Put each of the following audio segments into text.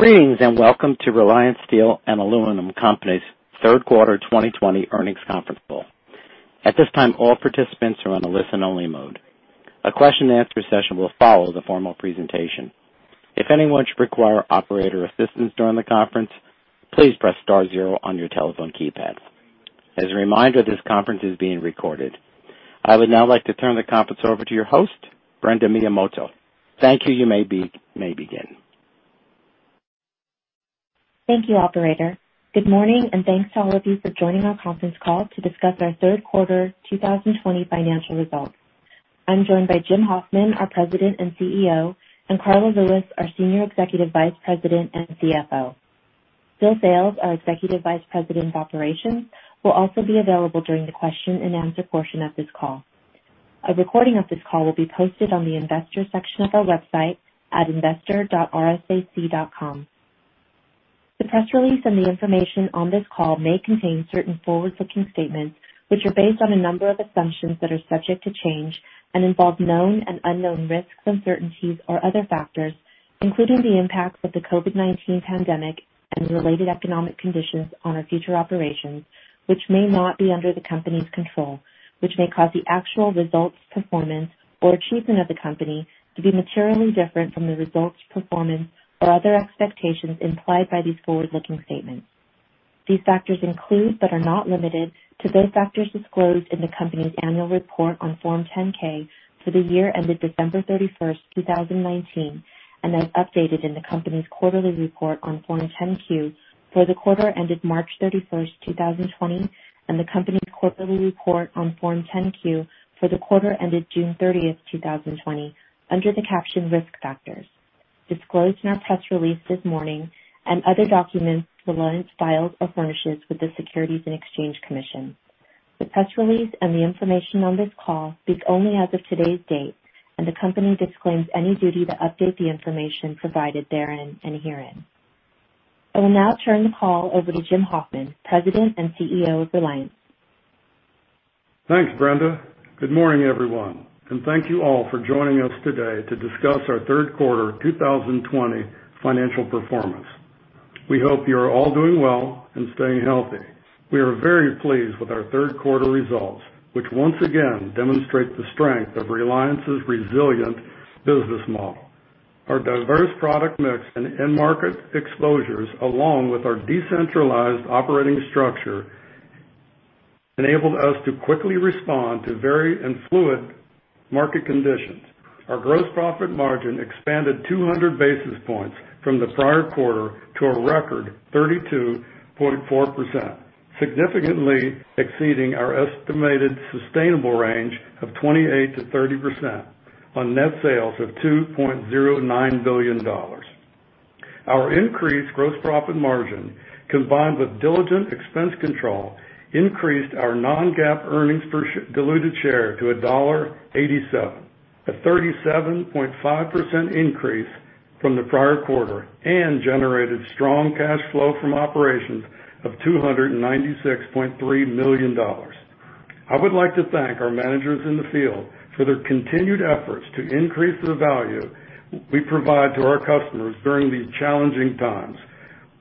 Greetings, and welcome to Reliance Steel & Aluminum Company's third quarter 2020 earnings conference call. At this time, all participants are on a listen-only mode. A question and answer session will follow the formal presentation. If anyone should require operator assistance during the conference, please press star zero on your telephone keypad. As a reminder, this conference is being recorded. I would now like to turn the conference over to your host, Brenda Miyamoto. Thank you. You may begin. Thank you, operator. Good morning. Thanks to all of you for joining our conference call to discuss our third quarter 2020 financial results. I'm joined by Jim Hoffman, our President and CEO, and Karla Lewis, our Senior Executive Vice President and CFO. Bill Sales, our Executive Vice President of Operations, will also be available during the question and answer portion of this call. A recording of this call will be posted on the investors section of our website at investor.rsac.com. The press release and the information on this call may contain certain forward-looking statements, which are based on a number of assumptions that are subject to change and involve known and unknown risks, uncertainties, or other factors, including the impacts of the COVID-19 pandemic and related economic conditions on our future operations, which may not be under the company's control, which may cause the actual results, performance, or achievements of the company to be materially different from the results, performance, or other expectations implied by these forward-looking statements. These factors include, but are not limited to those factors disclosed in the company's annual report on Form 10-K for the year ended December 31st, 2019, and as updated in the company's quarterly report on Form 10-Q for the quarter ended March 31st, 2020, and the company's quarterly report on Form 10-Q for the quarter ended June 30th, 2020, under the caption Risk Factors, disclosed in our press release this morning, and other documents Reliance files or furnishes with the Securities and Exchange Commission. The press release and the information on this call speak only as of today's date, and the company disclaims any duty to update the information provided therein and herein. I will now turn the call over to Jim Hoffman, President and CEO of Reliance. Thanks, Brenda. Good morning, everyone, and thank you all for joining us today to discuss our third quarter 2020 financial performance. We hope you're all doing well and staying healthy. We are very pleased with our third quarter results, which once again demonstrate the strength of Reliance's resilient business model. Our diverse product mix and end market exposures, along with our decentralized operating structure, enabled us to quickly respond to varied and fluid market conditions. Our gross profit margin expanded 200 basis points from the prior quarter to a record 32.4%, significantly exceeding our estimated sustainable range of 28%-30% on net sales of $2.09 billion. Our increased gross profit margin, combined with diligent expense control, increased our non-GAAP earnings per diluted share to $1.87, a 37.5% increase from the prior quarter, and generated strong cash flow from operations of $296.3 million. I would like to thank our managers in the field for their continued efforts to increase the value we provide to our customers during these challenging times,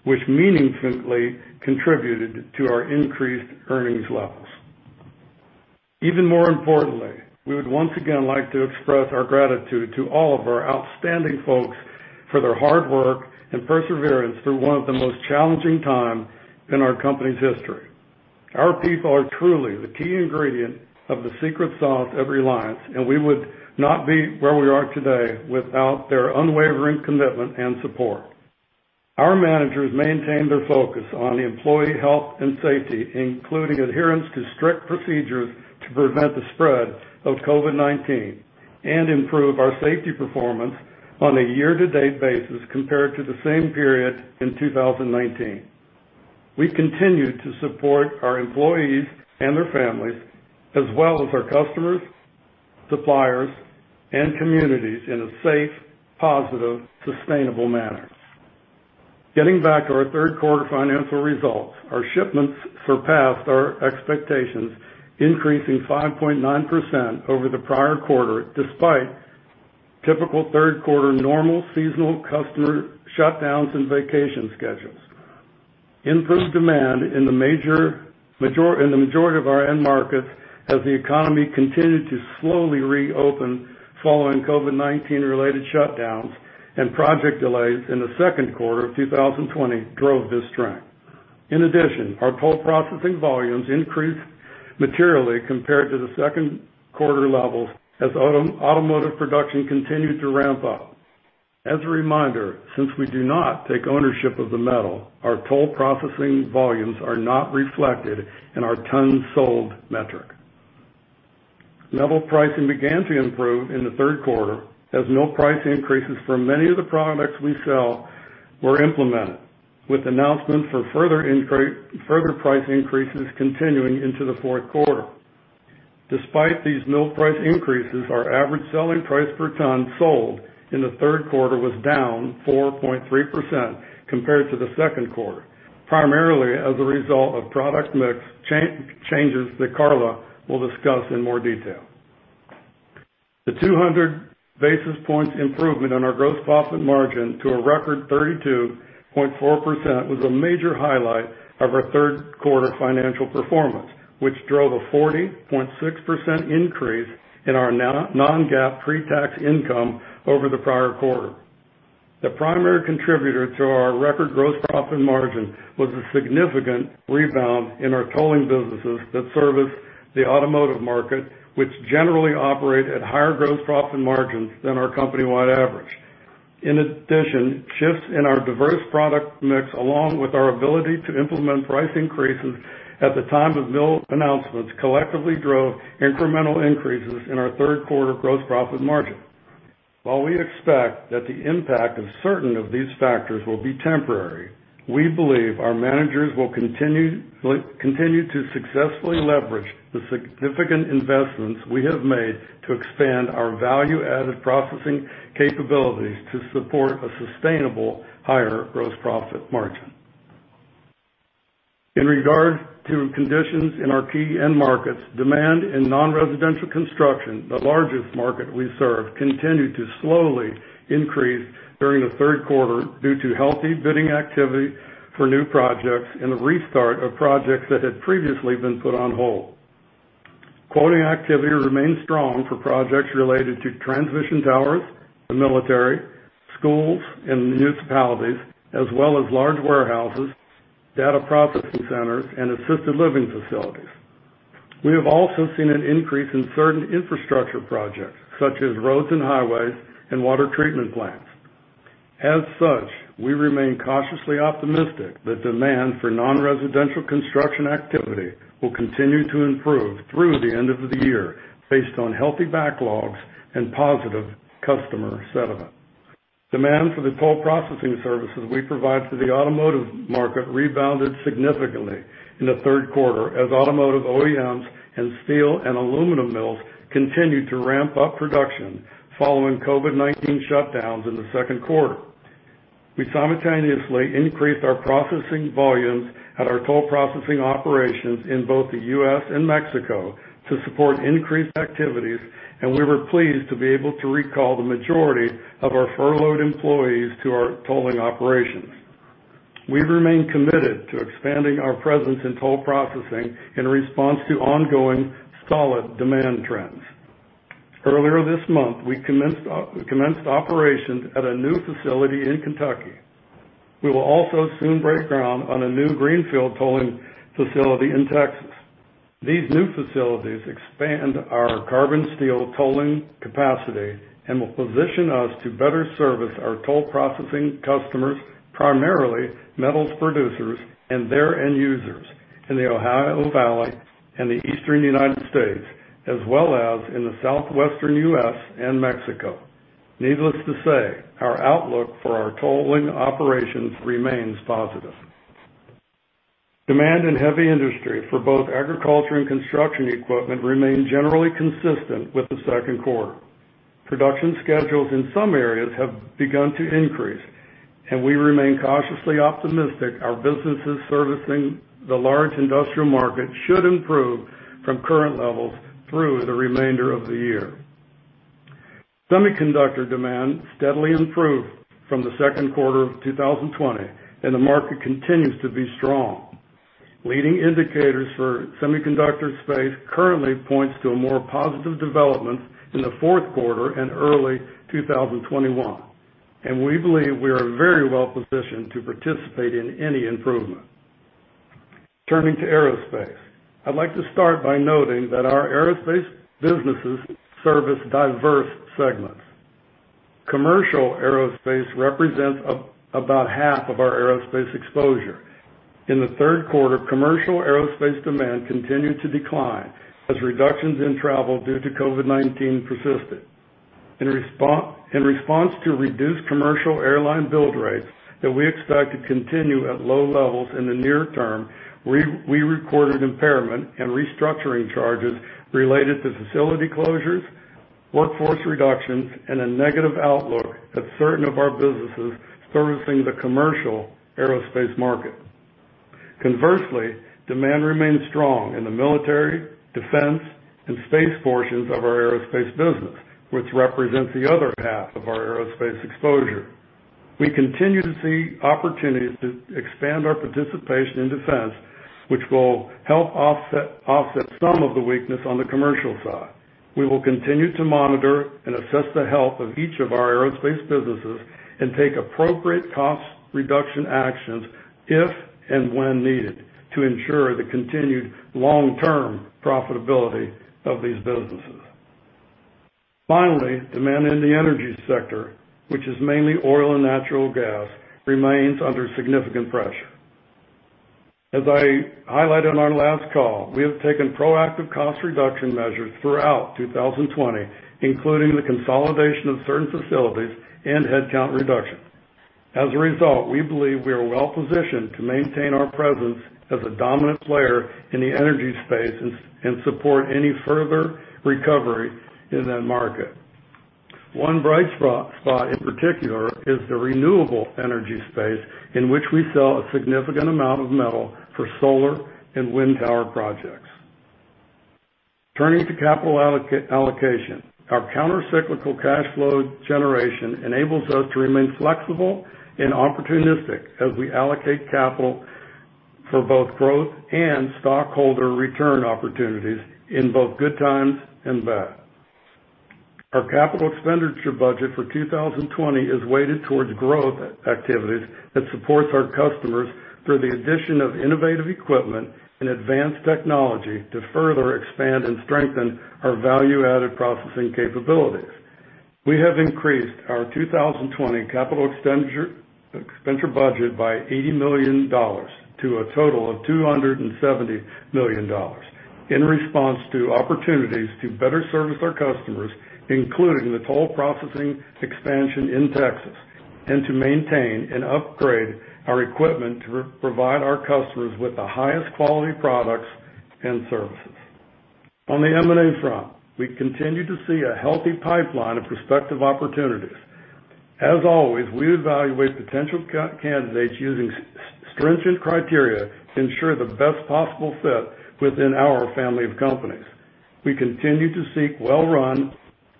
which meaningfully contributed to our increased earnings levels. Even more importantly, we would once again like to express our gratitude to all of our outstanding folks for their hard work and perseverance through one of the most challenging times in our company's history. Our people are truly the key ingredient of the secret sauce of Reliance, and we would not be where we are today without their unwavering commitment and support. Our managers maintained their focus on employee health and safety, including adherence to strict procedures to prevent the spread of COVID-19 and improve our safety performance on a year-to-date basis compared to the same period in 2019. We continue to support our employees and their families, as well as our customers, suppliers, and communities in a safe, positive, sustainable manner. Getting back to our third quarter financial results, our shipments surpassed our expectations, increasing 5.9% over the prior quarter, despite typical third quarter normal seasonal customer shutdowns and vacation schedules. Improved demand in the majority of our end markets as the economy continued to slowly reopen following COVID-19 related shutdowns and project delays in the second quarter of 2020 drove this trend. In addition, our toll processing volumes increased materially compared to the second quarter levels as automotive production continued to ramp up. As a reminder, since we do not take ownership of the metal, our toll processing volumes are not reflected in our tons sold metric. Metal pricing began to improve in the third quarter as mill price increases for many of the products we sell were implemented, with announcements for further price increases continuing into the fourth quarter. Despite these mill price increases, our average selling price per ton sold in the third quarter was down 4.3% compared to the second quarter, primarily as a result of product mix changes that Karla will discuss in more detail. The 200 basis points improvement on our gross profit margin to a record 32.4% was a major highlight of our third quarter financial performance, which drove a 40.6% increase in our non-GAAP pre-tax income over the prior quarter. The primary contributor to our record gross profit margin was a significant rebound in our tolling businesses that service the automotive market, which generally operate at higher gross profit margins than our company-wide average. In addition, shifts in our diverse product mix, along with our ability to implement price increases at the time of mill announcements, collectively drove incremental increases in our third quarter gross profit margin. While we expect that the impact of certain of these factors will be temporary, we believe our managers will continue to successfully leverage the significant investments we have made to expand our value-added processing capabilities to support a sustainable higher gross profit margin. In regard to conditions in our key end markets, demand in non-residential construction, the largest market we serve, continued to slowly increase during the third quarter due to healthy bidding activity for new projects and the restart of projects that had previously been put on hold. Quoting activity remains strong for projects related to transmission towers, the military, schools, and municipalities, as well as large warehouses, data processing centers, and assisted living facilities. We have also seen an increase in certain infrastructure projects such as roads and highways and water treatment plants. We remain cautiously optimistic that demand for non-residential construction activity will continue to improve through the end of the year based on healthy backlogs and positive customer sentiment. Demand for the toll processing services we provide to the automotive market rebounded significantly in the third quarter as automotive OEMs and steel and aluminum mills continued to ramp up production following COVID-19 shutdowns in the second quarter. We simultaneously increased our processing volumes at our toll processing operations in both the U.S. and Mexico to support increased activities, and we were pleased to be able to recall the majority of our furloughed employees to our tolling operations. We remain committed to expanding our presence in toll processing in response to ongoing solid demand trends. Earlier this month, we commenced operations at a new facility in Kentucky. We will also soon break ground on a new greenfield tolling facility in Texas. These new facilities expand our carbon steel tolling capacity and will position us to better service our toll processing customers, primarily metals producers and their end users in the Ohio Valley and the Eastern United States, as well as in the Southwestern U.S. and Mexico. Needless to say, our outlook for our tolling operations remains positive. Demand in heavy industry for both agriculture and construction equipment remained generally consistent with the second quarter. Production schedules in some areas have begun to increase, and we remain cautiously optimistic our businesses servicing the large industrial market should improve from current levels through the remainder of the year. Semiconductor demand steadily improved from the second quarter of 2020, and the market continues to be strong. Leading indicators for semiconductor space currently points to a more positive development in the fourth quarter and early 2021, and we believe we are very well positioned to participate in any improvement. Turning to aerospace. I'd like to start by noting that our aerospace businesses service diverse segments. Commercial aerospace represents about half of our aerospace exposure. In the third quarter, commercial aerospace demand continued to decline as reductions in travel due to COVID-19 persisted. In response to reduced commercial airline build rates that we expect to continue at low levels in the near term, we recorded impairment and restructuring charges related to facility closures, workforce reductions, and a negative outlook at certain of our businesses servicing the commercial aerospace market. Conversely, demand remains strong in the military, defense, and space portions of our aerospace business, which represents the other half of our aerospace exposure. We continue to see opportunities to expand our participation in defense, which will help offset some of the weakness on the commercial side. We will continue to monitor and assess the health of each of our aerospace businesses and take appropriate cost reduction actions if and when needed to ensure the continued long-term profitability of these businesses. Finally, demand in the energy sector, which is mainly oil and natural gas, remains under significant pressure. As I highlighted on our last call, we have taken proactive cost reduction measures throughout 2020, including the consolidation of certain facilities and headcount reduction. As a result, we believe we are well positioned to maintain our presence as a dominant player in the energy space and support any further recovery in that market. One bright spot in particular is the renewable energy space, in which we sell a significant amount of metal for solar and wind tower projects. Turning to capital allocation, our counter-cyclical cash flow generation enables us to remain flexible and opportunistic as we allocate capital for both growth and stockholder return opportunities in both good times and bad. Our capital expenditure budget for 2020 is weighted towards growth activities that supports our customers through the addition of innovative equipment and advanced technology to further expand and strengthen our value-added processing capabilities. We have increased our 2020 capital expenditure budget by $80 million to a total of $270 million in response to opportunities to better service our customers, including the toll processing expansion in Texas, and to maintain and upgrade our equipment to provide our customers with the highest quality products and services. On the M&A front, we continue to see a healthy pipeline of prospective opportunities. As always, we evaluate potential candidates using stringent criteria to ensure the best possible fit within our family of companies. We continue to seek well-run,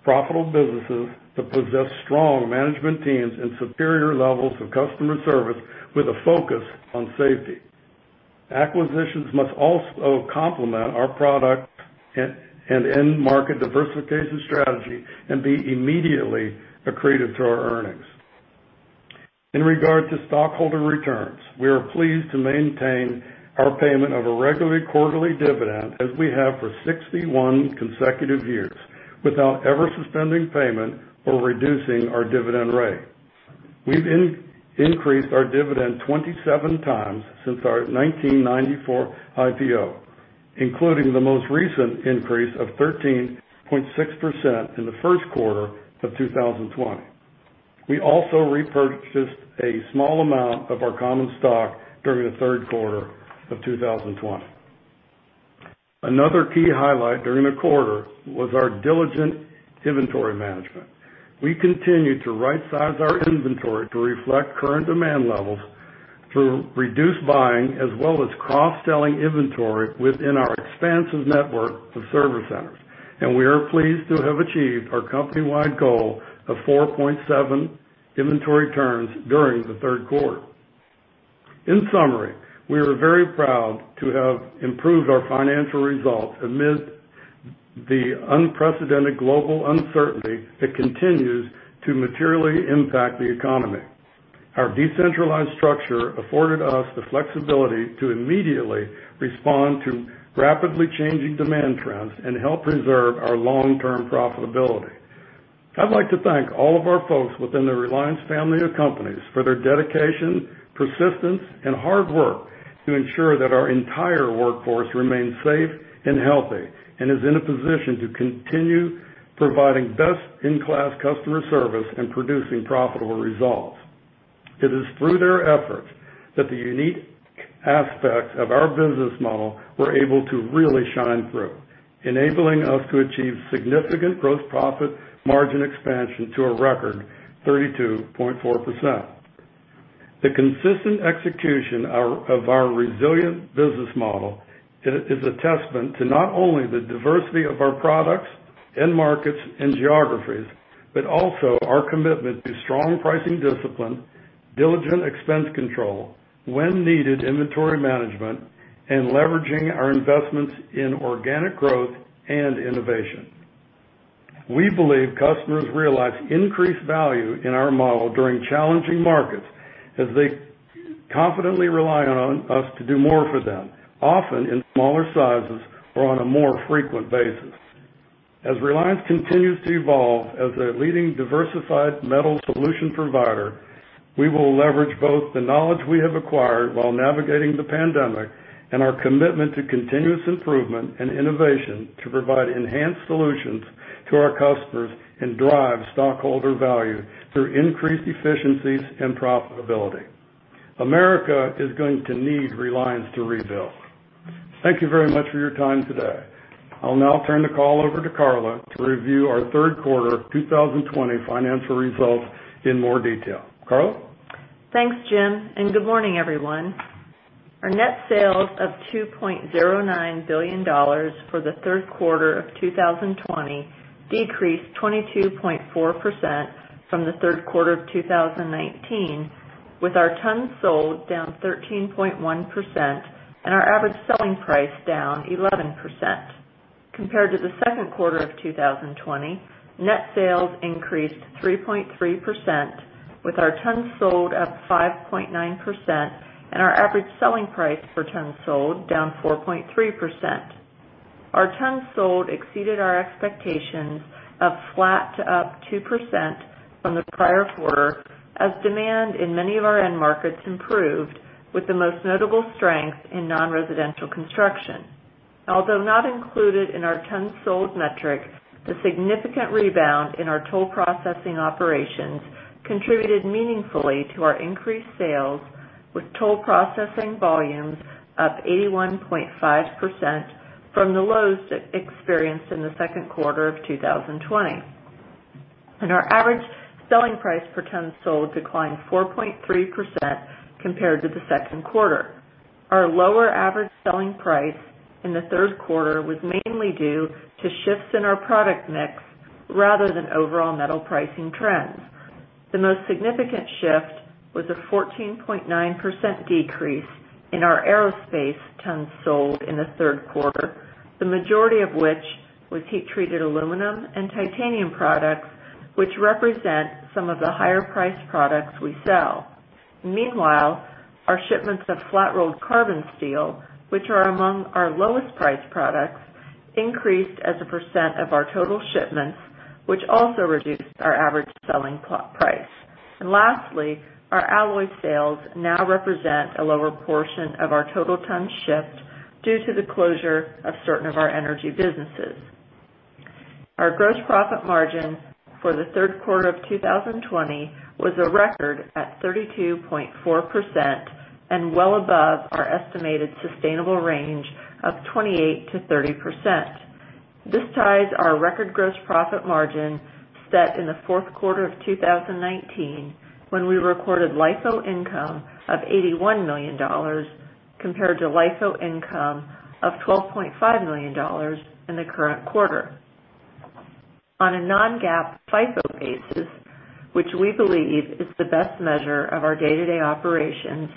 profitable businesses that possess strong management teams and superior levels of customer service with a focus on safety. Acquisitions must also complement our product and end market diversification strategy and be immediately accretive to our earnings. In regard to stockholder returns, we are pleased to maintain our payment of a regular quarterly dividend as we have for 61 consecutive years, without ever suspending payment or reducing our dividend rate. We've increased our dividend 27 times since our 1994 IPO, including the most recent increase of 13.6% in the first quarter of 2020. We also repurchased a small amount of our common stock during the third quarter of 2020. Another key highlight during the quarter was our diligent inventory management. We continue to right-size our inventory to reflect current demand levels through reduced buying, as well as cross-selling inventory within our expansive network of service centers, and we are pleased to have achieved our company-wide goal of 4.7 inventory turns during the third quarter. In summary, we are very proud to have improved our financial results amid the unprecedented global uncertainty that continues to materially impact the economy. Our decentralized structure afforded us the flexibility to immediately respond to rapidly changing demand trends and help preserve our long-term profitability. I'd like to thank all of our folks within the Reliance family of companies for their dedication, persistence, and hard work to ensure that our entire workforce remains safe and healthy, and is in a position to continue providing best-in-class customer service and producing profitable results. It is through their efforts that the unique aspects of our business model were able to really shine through, enabling us to achieve significant gross profit margin expansion to a record 32.4%. The consistent execution of our resilient business model is a testament to not only the diversity of our products, end markets, and geographies, but also our commitment to strong pricing discipline, diligent expense control, when needed inventory management, and leveraging our investments in organic growth and innovation. We believe customers realize increased value in our model during challenging markets as they confidently rely on us to do more for them, often in smaller sizes or on a more frequent basis. As Reliance continues to evolve as a leading diversified metal solution provider, we will leverage both the knowledge we have acquired while navigating the pandemic and our commitment to continuous improvement and innovation to provide enhanced solutions to our customers and drive stockholder value through increased efficiencies and profitability. America is going to need Reliance to rebuild. Thank you very much for your time today. I'll now turn the call over to Karla to review our third quarter 2020 financial results in more detail. Karla? Thanks, Jim, and good morning, everyone. Our net sales of $2.09 billion for the third quarter of 2020 decreased 22.4% from the third quarter of 2019, with our tons sold down 13.1% and our average selling price down 11%. Compared to the second quarter of 2020, net sales increased 3.3%, with our tons sold up 5.9% and our average selling price per ton sold down 4.3%. Our tons sold exceeded our expectations of flat to up 2% from the prior quarter as demand in many of our end markets improved, with the most notable strength in non-residential construction. Although not included in our tons sold metric, the significant rebound in our toll processing operations contributed meaningfully to our increased sales. With toll processing volumes up 81.5% from the lows experienced in the second quarter of 2020. Our average selling price per ton sold declined 4.3% compared to the second quarter. Our lower average selling price in the third quarter was mainly due to shifts in our product mix rather than overall metal pricing trends. The most significant shift was a 14.9% decrease in our aerospace tons sold in the third quarter, the majority of which was heat treated aluminum and titanium products, which represent some of the higher priced products we sell. Meanwhile, our shipments of flat-rolled carbon steel, which are among our lowest priced products, increased as a % of our total shipments, which also reduced our average selling price. Lastly, our alloy sales now represent a lower portion of our total ton shipped due to the closure of certain of our energy businesses. Our gross profit margin for the third quarter of 2020 was a record at 32.4% and well above our estimated sustainable range of 28%-30%. This ties our record gross profit margin set in the fourth quarter of 2019, when we recorded LIFO income of $81 million compared to LIFO income of $12.5 million in the current quarter. On a non-GAAP, FIFO basis, which we believe is the best measure of our day-to-day operations,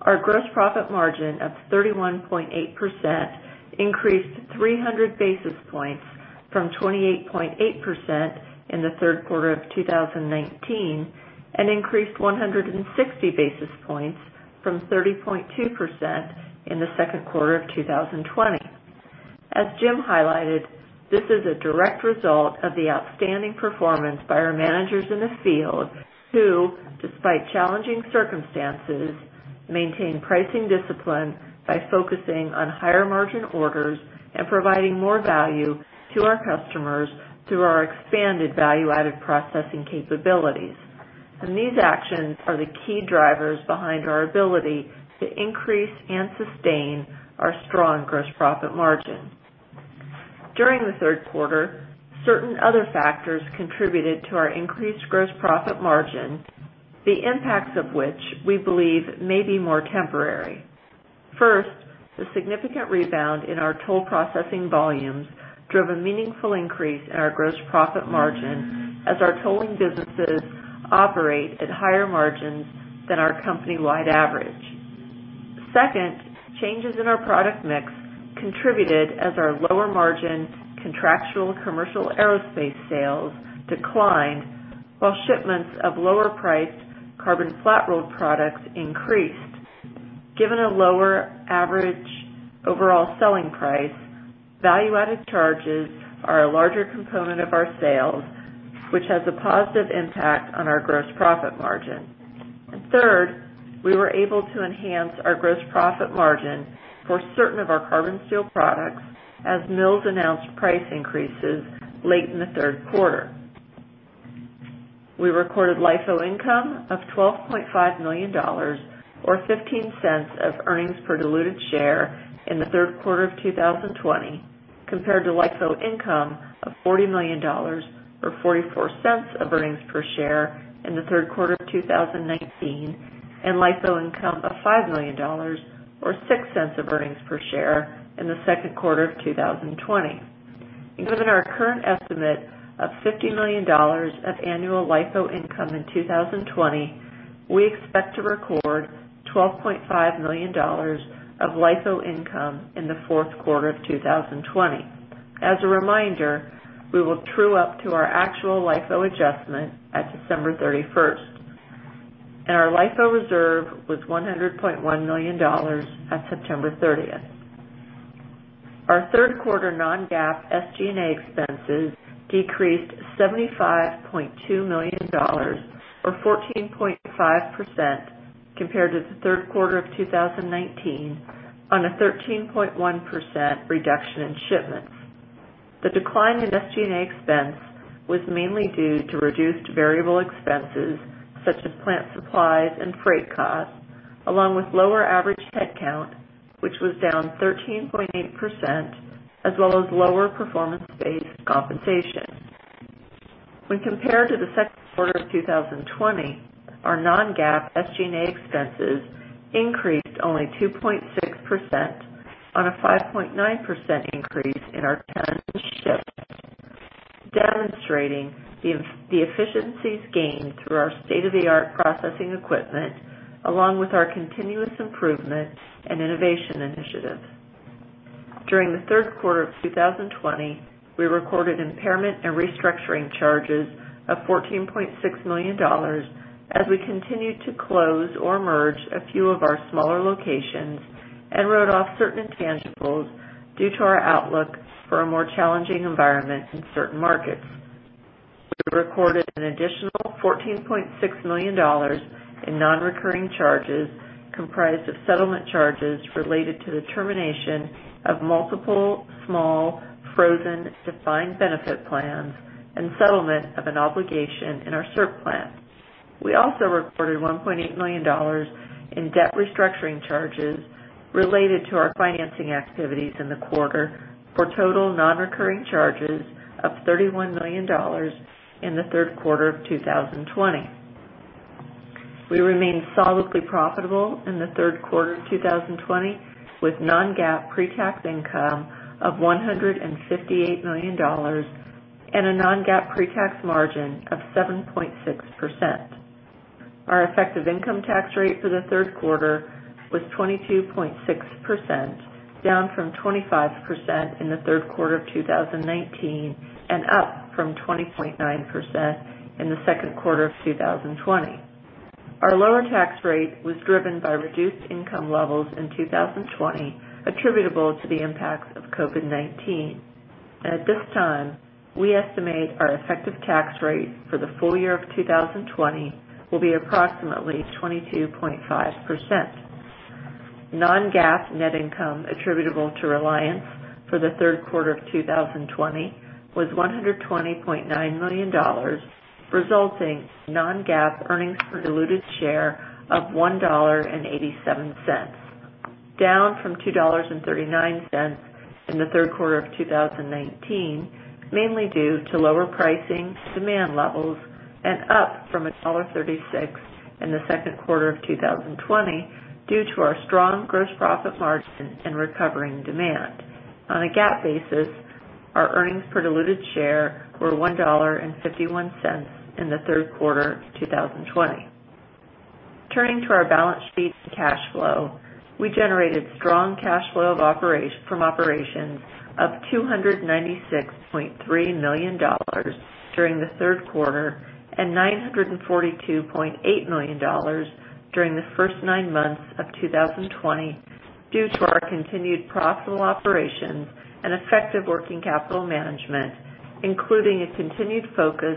our gross profit margin of 31.8% increased 300 basis points from 28.8% in the third quarter of 2019, and increased 160 basis points from 30.2% in the second quarter of 2020. As Jim highlighted, this is a direct result of the outstanding performance by our managers in the field who, despite challenging circumstances, maintain pricing discipline by focusing on higher margin orders and providing more value to our customers through our expanded value-added processing capabilities. These actions are the key drivers behind our ability to increase and sustain our strong gross profit margin. During the third quarter, certain other factors contributed to our increased gross profit margin, the impacts of which we believe may be more temporary. First, the significant rebound in our toll processing volumes drove a meaningful increase in our gross profit margin as our tolling businesses operate at higher margins than our company-wide average. Second, changes in our product mix contributed as our lower margin contractual commercial aerospace sales declined, while shipments of lower priced carbon flat rolled products increased. Given a lower average overall selling price, value-added charges are a larger component of our sales, which has a positive impact on our gross profit margin. Third, we were able to enhance our gross profit margin for certain of our carbon steel products as mills announced price increases late in the third quarter. We recorded LIFO income of $12.5 million, or $0.15 of earnings per diluted share in the third quarter of 2020, compared to LIFO income of $40 million or $0.44 of earnings per share in the third quarter of 2019, and LIFO income of $5 million or $0.06 of earnings per share in the second quarter of 2020. Given our current estimate of $50 million of annual LIFO income in 2020, we expect to record $12.5 million of LIFO income in the fourth quarter of 2020. As a reminder, we will true up to our actual LIFO adjustment at December 31st. Our LIFO reserve was $100.1 million on September 30th. Our third quarter non-GAAP SG&A expenses decreased $75.2 million or 14.5% compared to the third quarter of 2019 on a 13.1% reduction in shipments. The decline in SG&A expense was mainly due to reduced variable expenses such as plant supplies and freight costs, along with lower average headcount, which was down 13.8%, as well as lower performance-based compensation. When compared to the second quarter of 2020, our non-GAAP SG&A expenses increased only 2.6% on a 5.9% increase in our tons shipped, demonstrating the efficiencies gained through our state-of-the-art processing equipment, along with our continuous improvement and innovation initiatives. During the third quarter of 2020, we recorded impairment and restructuring charges of $14.6 million as we continued to close or merge a few of our smaller locations and wrote off certain intangibles due to our outlook for a more challenging environment in certain markets. We recorded an additional $14.6 million in non-recurring charges comprised of settlement charges related to the termination of multiple small frozen defined benefit plans and settlement of an obligation in our SERP plan. We also recorded $1.8 million in debt restructuring charges related to our financing activities in the quarter, for total non-recurring charges of $31 million in the third quarter of 2020. We remained solidly profitable in the third quarter of 2020, with non-GAAP pre-tax income of $158 million and a non-GAAP pre-tax margin of 7.6%. Our effective income tax rate for the third quarter was 22.6%, down from 25% in the third quarter of 2019, and up from 20.9% in the second quarter of 2020. Our lower tax rate was driven by reduced income levels in 2020 attributable to the impacts of COVID-19. At this time, we estimate our effective tax rate for the full year of 2020 will be approximately 22.5%. Non-GAAP net income attributable to Reliance for the third quarter of 2020 was $120.9 million, resulting in non-GAAP earnings per diluted share of $1.87, down from $2.39 in the third quarter of 2019, mainly due to lower pricing, demand levels, and up from $1.36 in the second quarter of 2020, due to our strong gross profit margin and recovering demand. On a GAAP basis, our earnings per diluted share were $1.51 in the third quarter of 2020. Turning to our balance sheet and cash flow, we generated strong cash flow from operations of $296.3 million during the third quarter, and $942.8 million during the first nine months of 2020, due to our continued profitable operations and effective working capital management, including a continued focus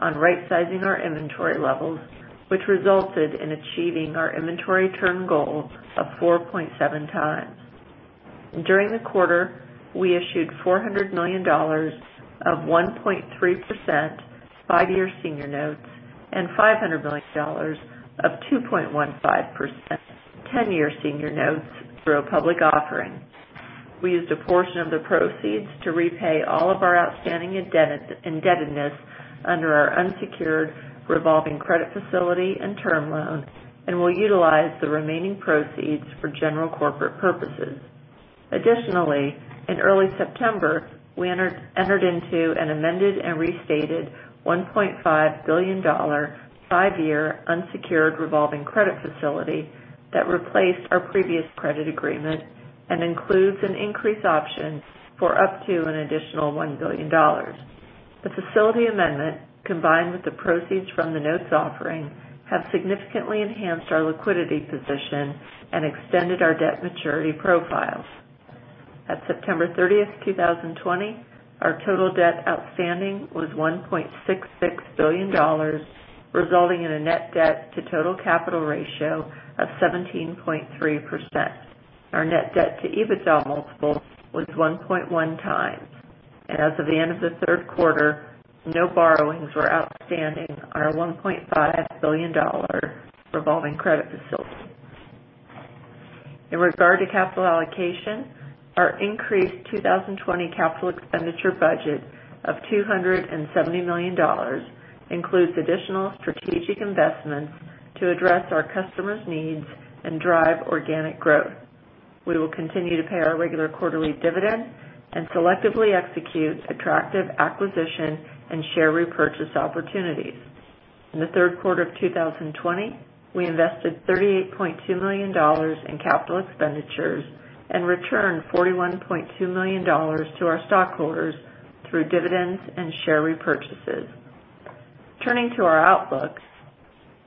on right-sizing our inventory levels, which resulted in achieving our inventory turn goal of 4.7 times. During the quarter, we issued $400 million of 1.3% five-year senior notes and $500 million of 2.15% 10-year senior notes through a public offering. We used a portion of the proceeds to repay all of our outstanding indebtedness under our unsecured revolving credit facility and term loan. We will utilize the remaining proceeds for general corporate purposes. Additionally, in early September, we entered into an amended and restated $1.5 billion five-year unsecured revolving credit facility that replaced our previous credit agreement and includes an increase option for up to an additional $1 billion. The facility amendment, combined with the proceeds from the notes offering, have significantly enhanced our liquidity position and extended our debt maturity profiles. At September 30th, 2020, our total debt outstanding was $1.66 billion, resulting in a net debt to total capital ratio of 17.3%. Our net debt to EBITDA multiple was 1.1 times, and as of the end of the third quarter, no borrowings were outstanding on our $1.5 billion revolving credit facility. In regard to capital allocation, our increased 2020 capital expenditure budget of $270 million includes additional strategic investments to address our customers' needs and drive organic growth. We will continue to pay our regular quarterly dividend and selectively execute attractive acquisition and share repurchase opportunities. In the third quarter of 2020, we invested $38.2 million in capital expenditures and returned $41.2 million to our stockholders through dividends and share repurchases. Turning to our outlook,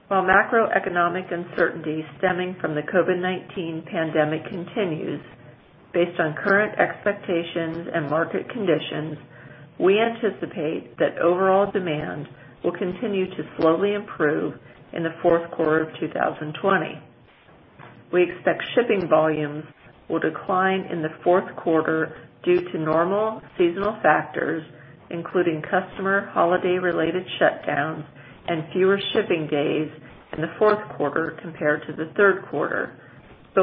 while macroeconomic uncertainty stemming from the COVID-19 pandemic continues, based on current expectations and market conditions, we anticipate that overall demand will continue to slowly improve in the fourth quarter of 2020. We expect shipping volumes will decline in the fourth quarter due to normal seasonal factors, including customer holiday-related shutdowns and fewer shipping days in the fourth quarter compared to the third quarter.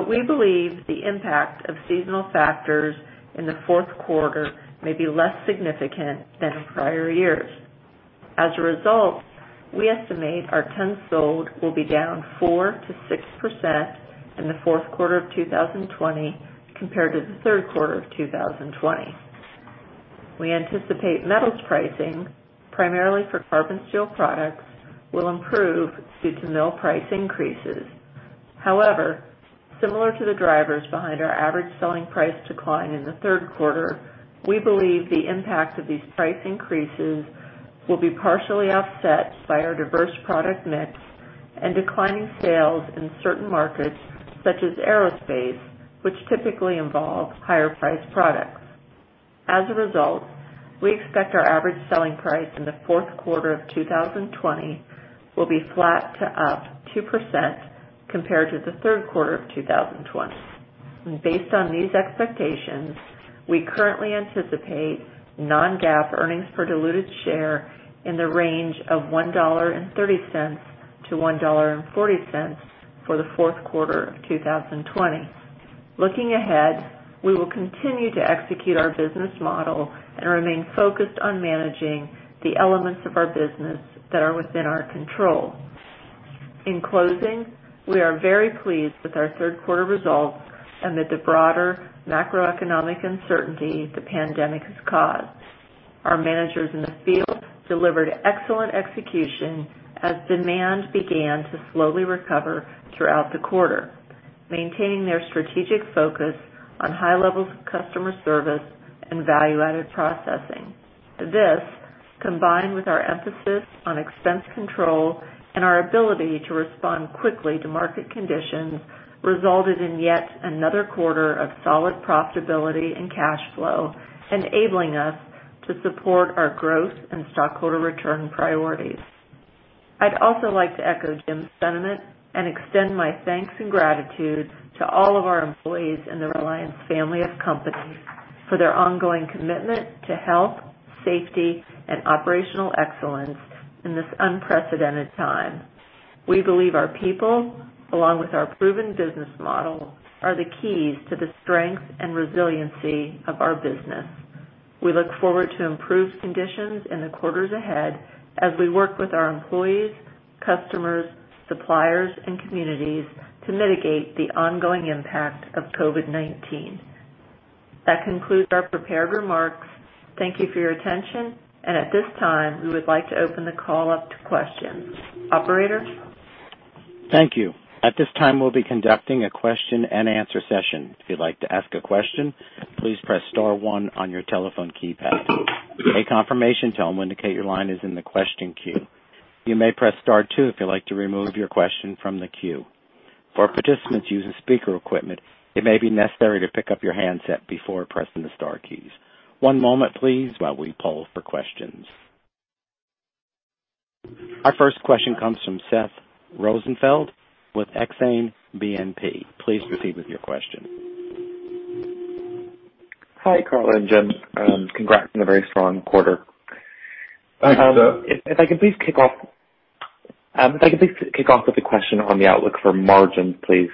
We believe the impact of seasonal factors in the fourth quarter may be less significant than in prior years. As a result, we estimate our tons sold will be down 4%-6% in the fourth quarter of 2020 compared to the third quarter of 2020. We anticipate metals pricing, primarily for carbon steel products, will improve due to mill price increases. However, similar to the drivers behind our average selling price decline in the third quarter, we believe the impact of these price increases will be partially offset by our diverse product mix and declining sales in certain markets such as aerospace, which typically involve higher priced products. As a result, we expect our average selling price in the fourth quarter of 2020 will be flat to up 2% compared to the third quarter of 2020. Based on these expectations, we currently anticipate non-GAAP earnings per diluted share in the range of $1.30-$1.40 for the fourth quarter of 2020. Looking ahead, we will continue to execute our business model and remain focused on managing the elements of our business that are within our control. In closing, we are very pleased with our third quarter results amid the broader macroeconomic uncertainty the pandemic has caused. Our managers in the field delivered excellent execution as demand began to slowly recover throughout the quarter, maintaining their strategic focus on high levels of customer service and value-added processing. This, combined with our emphasis on expense control and our ability to respond quickly to market conditions, resulted in yet another quarter of solid profitability and cash flow, enabling us to support our growth and stockholder return priorities. I'd also like to echo Jim's sentiment and extend my thanks and gratitude to all of our employees in the Reliance family of companies for their ongoing commitment to health, safety, and operational excellence in this unprecedented time. We believe our people, along with our proven business model, are the keys to the strength and resiliency of our business. We look forward to improved conditions in the quarters ahead as we work with our employees, customers, suppliers, and communities to mitigate the ongoing impact of COVID-19. That concludes our prepared remarks. Thank you for your attention. At this time, we would like to open the call up to questions. Operator? Thank you. At this time, we'll be conducting a question and answer session. If you'd like to ask a question, please press star one on your telephone keypad. A confirmation tone will indicate your line is in the question queue. You may press star two if you'd like to remove your question from the queue. For participants using speaker equipment, it may be necessary to pick up your handset before pressing the star keys. One moment, please, while we poll for questions. Our first question comes from Seth Rosenfeld with Exane BNP. Please proceed with your question. Hi, Karla and Jim, congrats on a very strong quarter. Thanks, Seth. If I could please kick off with a question on the outlook for margins, please.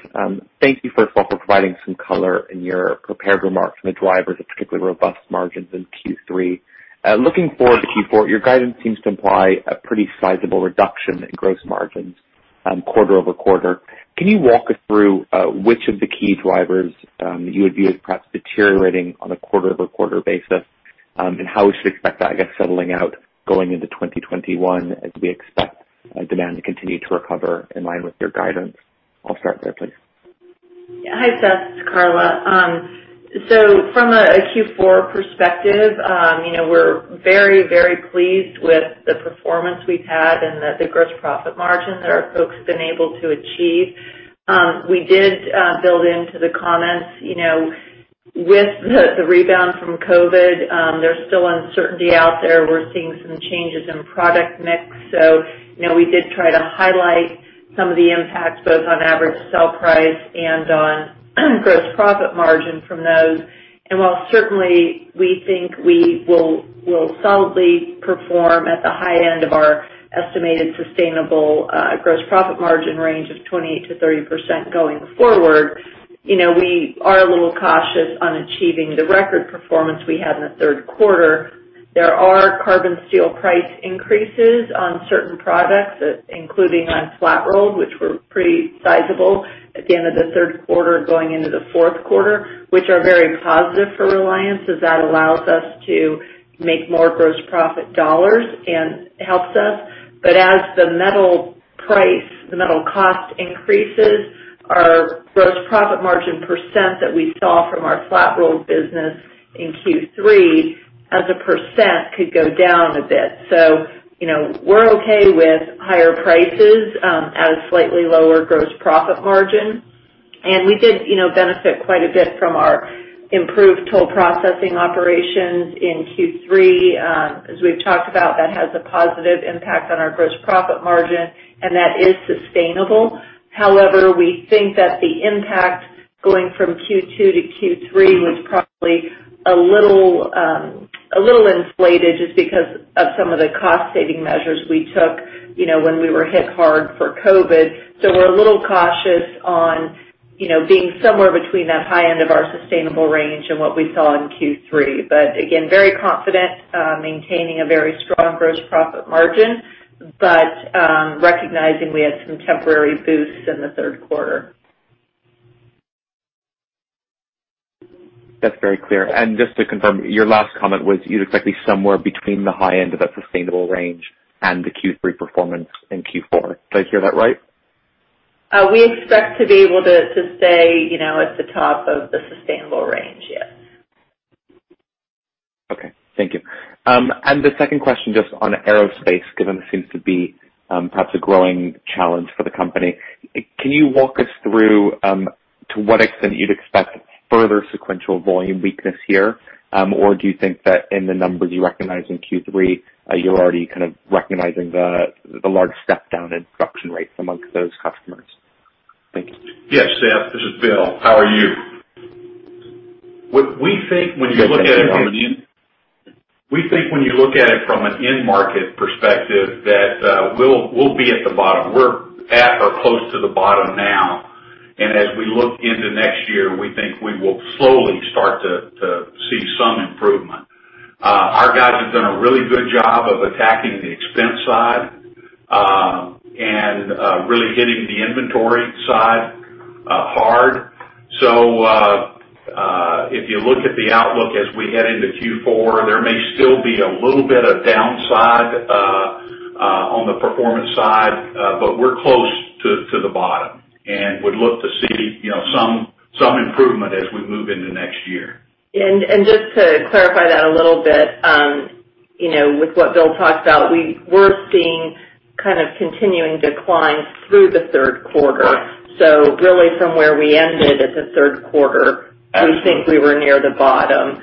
Thank you, first of all, for providing some color in your prepared remarks on the drivers of particularly robust margins in Q3. Looking forward to Q4, your guidance seems to imply a pretty sizable reduction in gross margins quarter-over-quarter. Can you walk us through which of the key drivers you would view as perhaps deteriorating on a quarter-over-quarter basis? How we should expect that, I guess, settling out going into 2021 as we expect demand to continue to recover in line with your guidance? I'll start there, please. Yeah. Hi, Seth. It's Karla. From a Q4 perspective, we're very pleased with the performance we've had and the gross profit margin that our folks have been able to achieve. We did build into the comments. With the rebound from COVID, there's still uncertainty out there. We're seeing some changes in product mix. We did try to highlight some of the impacts, both on average sell price and on gross profit margin from those. While certainly we think we will solidly perform at the high end of our estimated sustainable gross profit margin range of 20%-30% going forward, we are a little cautious on achieving the record performance we had in the third quarter. There are carbon steel price increases on certain products, including on flat-rolled, which were pretty sizable at the end of the third quarter going into the fourth quarter, which are very positive for Reliance, as that allows us to make more gross profit dollars and helps us. As the metal cost increases, our gross profit margin % that we saw from our flat-rolled business in Q3, as a %, could go down a bit. We're okay with higher prices at a slightly lower gross profit margin. We did benefit quite a bit from our improved toll processing operations in Q3. As we've talked about, that has a positive impact on our gross profit margin, and that is sustainable. We think that the impact going from Q2 to Q3 was probably a little inflated just because of some of the cost-saving measures we took when we were hit hard for COVID. We're a little cautious on being somewhere between that high end of our sustainable range and what we saw in Q3. Again, very confident maintaining a very strong gross profit margin, but recognizing we had some temporary boosts in the third quarter. That's very clear. Just to confirm, your last comment was you'd expect to be somewhere between the high end of that sustainable range and the Q3 performance in Q4. Did I hear that right? We expect to be able to stay at the top of the sustainable range, yes. Okay. Thank you. The second question, just on aerospace, given that seems to be perhaps a growing challenge for the company. Can you walk us through to what extent you'd expect further sequential volume weakness here? Do you think that in the numbers you recognize in Q3, you're already kind of recognizing the large step down in production rates amongst those customers? Thank you. Yes, Seth. This is Bill. How are you? We think when you look at it from an end market perspective, that we'll be at the bottom. We're at or close to the bottom now, and as we look into next year, we think we will slowly start to see some improvement. Our guys have done a really good job of attacking the expense side, and really hitting the inventory side hard. If you look at the outlook as we head into Q4, there may still be a little bit of downside on the performance side. We're close to the bottom and would look to see some improvement as we move into next year. Just to clarify that a little bit, with what Bill talked about, we're seeing kind of continuing declines through the third quarter. Really from where we ended at the third quarter, we think we were near the bottom.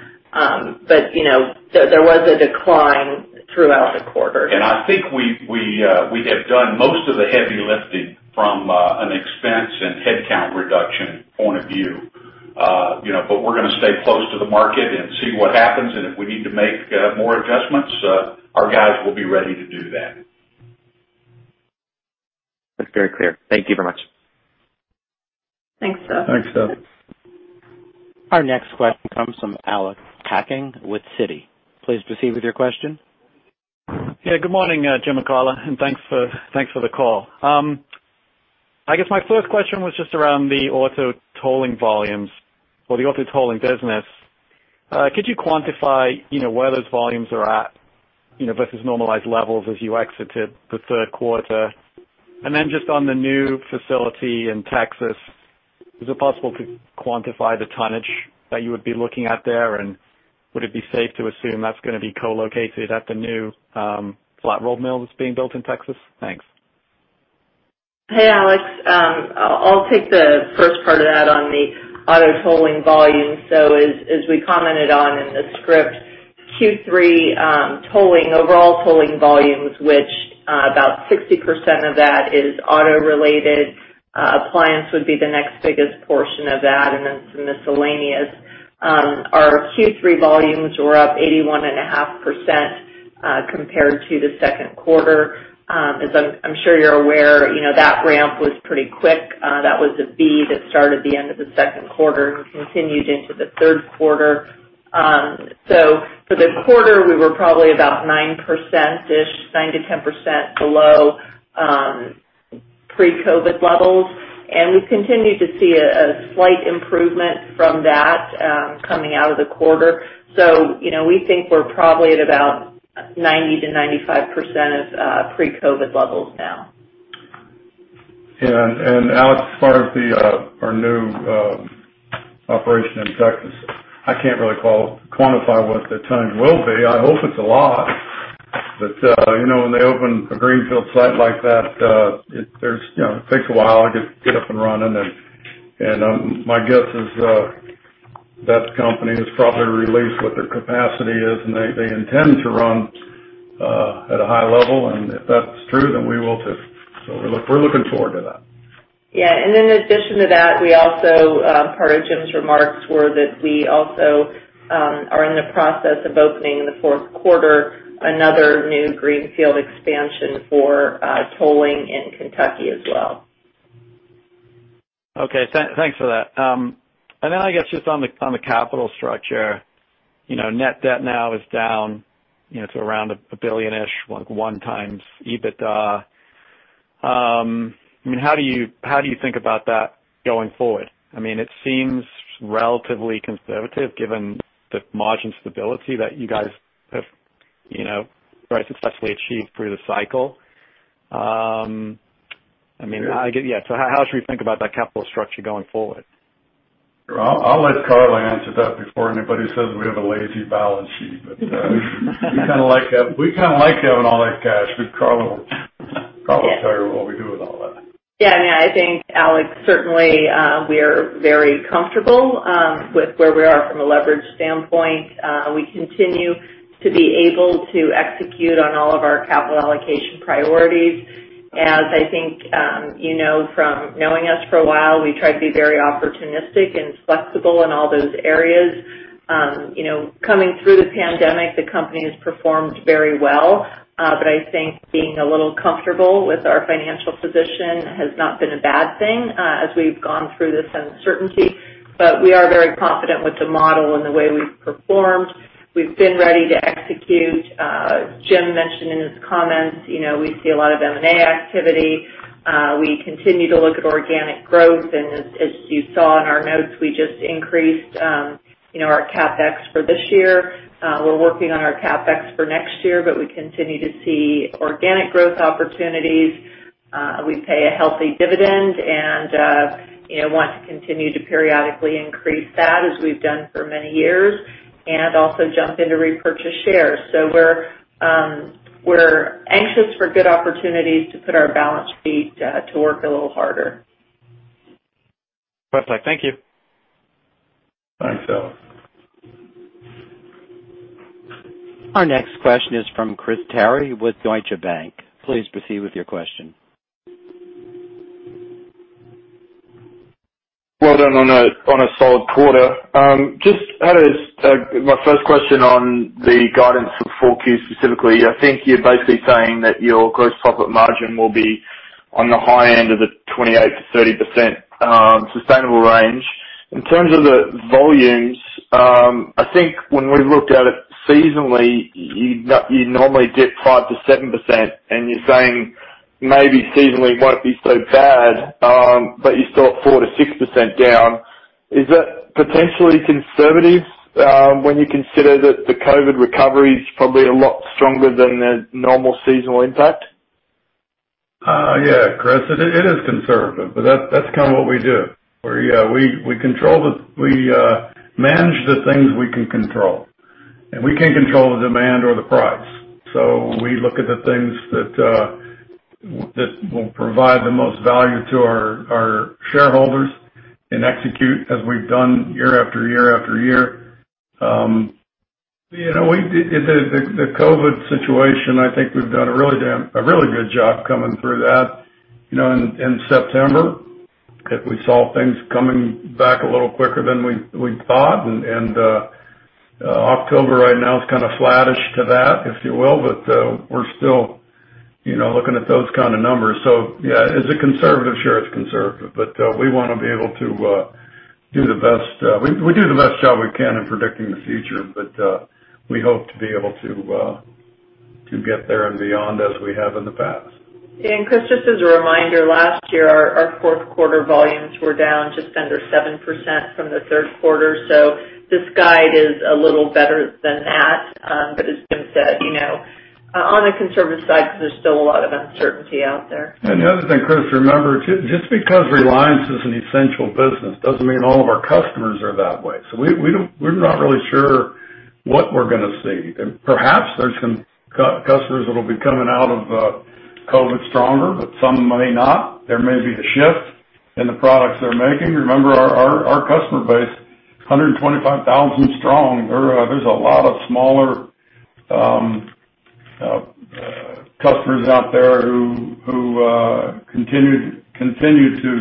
There was a decline throughout the quarter. I think we have done most of the heavy lifting from an expense and headcount reduction point of view. We're going to stay close to the market and see what happens, and if we need to make more adjustments, our guys will be ready to do that. That's very clear. Thank you very much. Thanks, Seth. Thanks, Seth. Our next question comes from Alex Hacking with Citi. Please proceed with your question. Good morning, Jim and Karla, thanks for the call. I guess my first question was just around the auto tolling volumes or the auto tolling business. Could you quantify where those volumes are at versus normalized levels as you exited the third quarter? Just on the new facility in Texas, is it possible to quantify the tonnage that you would be looking at there? Would it be safe to assume that's going to be co-located at the new flat rolled mill that's being built in Texas? Thanks. Hey, Alex. I'll take the first part of that on the auto tolling volume. As we commented on in the script, Q3 tolling, overall tolling volumes, which about 60% of that is auto-related. Appliance would be the next biggest portion of that, and then some miscellaneous. Our Q3 volumes were up 81.5% compared to the second quarter. As I'm sure you're aware, that ramp was pretty quick. That was a V that started the end of the second quarter and continued into the third quarter. For the quarter, we were probably about 9%-ish, 9%-10% below pre-COVID levels. We continue to see a slight improvement from that coming out of the quarter. We think we're probably at about 90%-95% of pre-COVID levels now. Yeah. Alex, as far as our new operation in Texas, I can't really quantify what the tonnage will be. I hope it's a lot. When they open a greenfield site like that, it takes a while to get up and running. My guess is that the company has probably released what their capacity is, and they intend to run at a high level. If that's true, then we will too. We're looking forward to that. Yeah. In addition to that, part of Jim's remarks were that we also are in the process of opening in the fourth quarter, another new greenfield expansion for tolling in Kentucky as well. Okay. Thanks for that. Then I guess just on the capital structure. Net debt now is down to around $a billion-ish, like one times EBITDA. How do you think about that going forward? It seems relatively conservative given the margin stability that you guys have very successfully achieved through the cycle. How should we think about that capital structure going forward? I'll let Karla answer that before anybody says we have a lazy balance sheet. We kind of like having all that cash, but Karla will probably tell you what we do with all that. Yeah. No, I think Alex, certainly, we're very comfortable with where we are from a leverage standpoint. We continue to be able to execute on all of our capital allocation priorities. As I think you know from knowing us for a while, we try to be very opportunistic and flexible in all those areas. Coming through the pandemic, the company has performed very well. I think being a little comfortable with our financial position has not been a bad thing as we've gone through this uncertainty. We are very confident with the model and the way we've performed. We've been ready to execute. Jim mentioned in his comments we see a lot of M&A activity. We continue to look at organic growth, and as you saw in our notes, we just increased our CapEx for this year. We're working on our CapEx for next year. We continue to see organic growth opportunities. We pay a healthy dividend and want to continue to periodically increase that as we've done for many years, and also jump in to repurchase shares. We're anxious for good opportunities to put our balance sheet to work a little harder. Perfect. Thank you. Thanks, Alex. Our next question is from Chris Terry with Deutsche Bank. Please proceed with your question. Well done on a solid quarter. My first question on the guidance for 4Q specifically. I think you're basically saying that your gross profit margin will be on the high end of the 28%-30% sustainable range. In terms of the volumes, I think when we looked at it seasonally, you normally dip 5%-7% and you're saying maybe seasonally it won't be so bad, but you're still at 4%-6% down. Is that potentially conservative when you consider that the COVID recovery is probably a lot stronger than the normal seasonal impact? Chris, it is conservative, but that's kind of what we do, where we manage the things we can control. We can't control the demand or the price. We look at the things that will provide the most value to our shareholders and execute as we've done year, after year, after year. The COVID-19 situation, I think we've done a really good job coming through that. In September, we saw things coming back a little quicker than we thought. October right now is kind of flattish to that, if you will. We're still looking at those kind of numbers. Yeah, as a conservative, sure, it's conservative, but we do the best job we can in predicting the future. We hope to be able to get there and beyond as we have in the past. Chris, just as a reminder, last year, our fourth quarter volumes were down just under 7% from the third quarter. This guide is a little better than that. As Jim said, on the conservative side, there's still a lot of uncertainty out there. The other thing, Chris, remember, just because Reliance is an essential business doesn't mean all of our customers are that way. We're not really sure what we're going to see. Perhaps there's some customers that'll be coming out of COVID stronger, but some may not. There may be a shift in the products they're making. Remember our customer base, 125,000 strong. There's a lot of smaller customers out there who continue to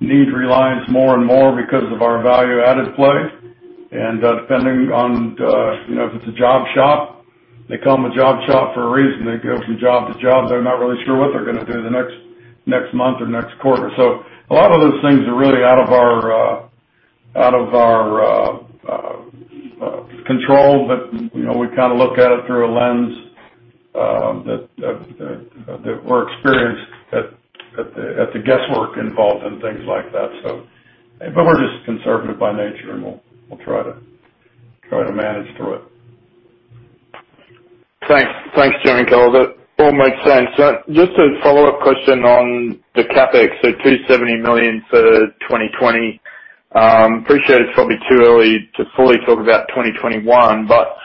need Reliance more and more because of our value-added play. Depending on if it's a job shop, they call them a job shop for a reason. They go from job to job. They're not really sure what they're going to do the next month or next quarter. A lot of those things are really out of our control. We kind of look at it through a lens that we're experienced at the guesswork involved and things like that. We're just conservative by nature, and we'll try to manage through it. Thanks, Jim and Karla. That all makes sense. Just a follow-up question on the CapEx. $270 million for 2020. Appreciate it's probably too early to fully talk about 2021, but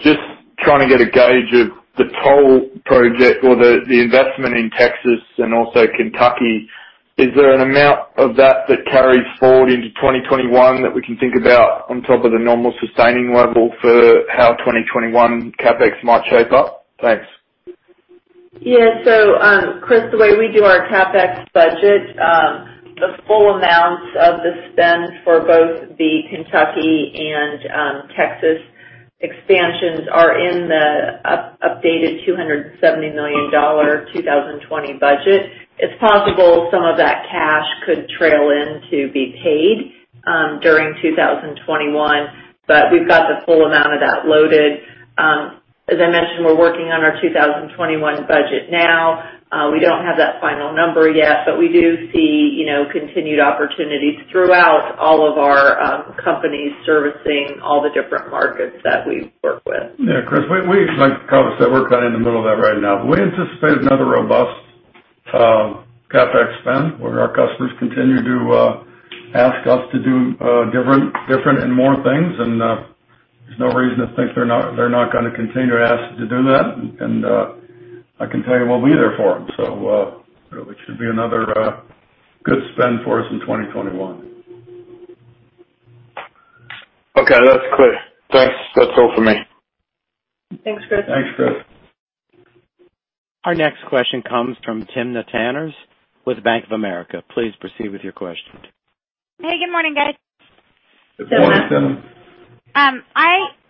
just trying to get a gauge of the toll project or the investment in Texas and also Kentucky. Is there an amount of that that carries forward into 2021 that we can think about on top of the normal sustaining level for how 2021 CapEx might shape up? Thanks. Chris, the way we do our CapEx budget, the full amounts of the spend for both the Kentucky and Texas expansions are in the updated $270 million 2020 budget. It's possible some of that cash could trail in to be paid during 2021, but we've got the full amount of that loaded. As I mentioned, we're working on our 2021 budget now. We don't have that final number yet, but we do see continued opportunities throughout all of our companies servicing all the different markets that we work with. Yeah, Chris, like Karla said, we're kind of in the middle of that right now. We anticipate another robust CapEx spend where our customers continue to ask us to do different and more things. There's no reason to think they're not going to continue to ask us to do that. I can tell you we'll be there for them. It should be another good spend for us in 2021. Okay. That's clear. Thanks. That's all for me. Thanks, Chris. Thanks, Chris. Our next question comes from Timna Tanners with Bank of America. Please proceed with your question. Hey, good morning, guys. Good morning, Timna.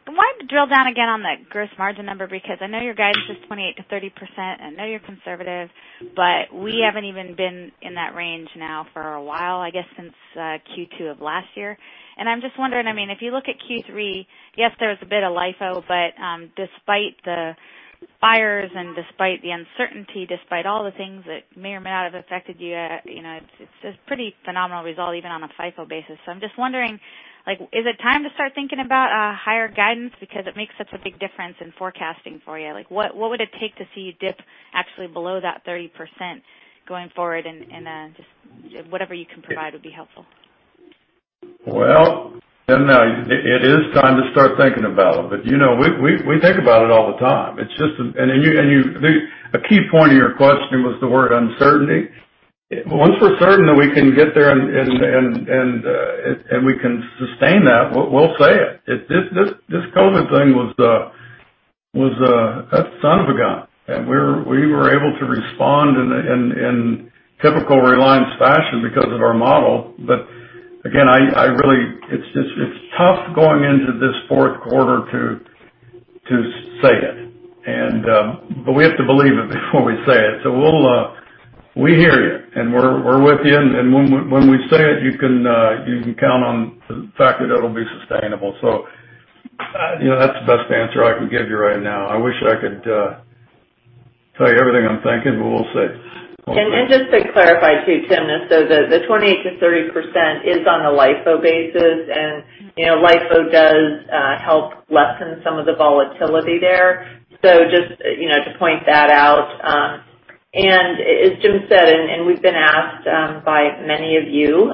I wanted to drill down again on the gross margin number because I know your guidance is 28%-30%. I know you're conservative, but we haven't even been in that range now for a while, I guess since Q2 of last year. I'm just wondering, if you look at Q3, yes, there was a bit of LIFO, but despite the fires and despite the uncertainty, despite all the things that may or may not have affected you, it's a pretty phenomenal result even on a FIFO basis. I'm just wondering, is it time to start thinking about a higher guidance? It makes such a big difference in forecasting for you. What would it take to see you dip actually below that 30% going forward? Just whatever you can provide would be helpful. Well, Timna, it is time to start thinking about it. We think about it all the time. A key point in your question was the word uncertainty. Once we're certain that we can get there and we can sustain that, we'll say it. This COVID thing was a son of a gun. We were able to respond in typical Reliance fashion because of our model. Again, it's tough going into this fourth quarter to say it, but we have to believe it before we say it. We hear you, and we're with you, and when we say it, you can count on the fact that it'll be sustainable. That's the best answer I can give you right now. I wish I could tell you everything I'm thinking, but we'll see. Just to clarify, too, Tim, the 28%-30% is on a LIFO basis, and LIFO does help lessen some of the volatility there. Just to point that out. As Jim said, and we've been asked by many of you,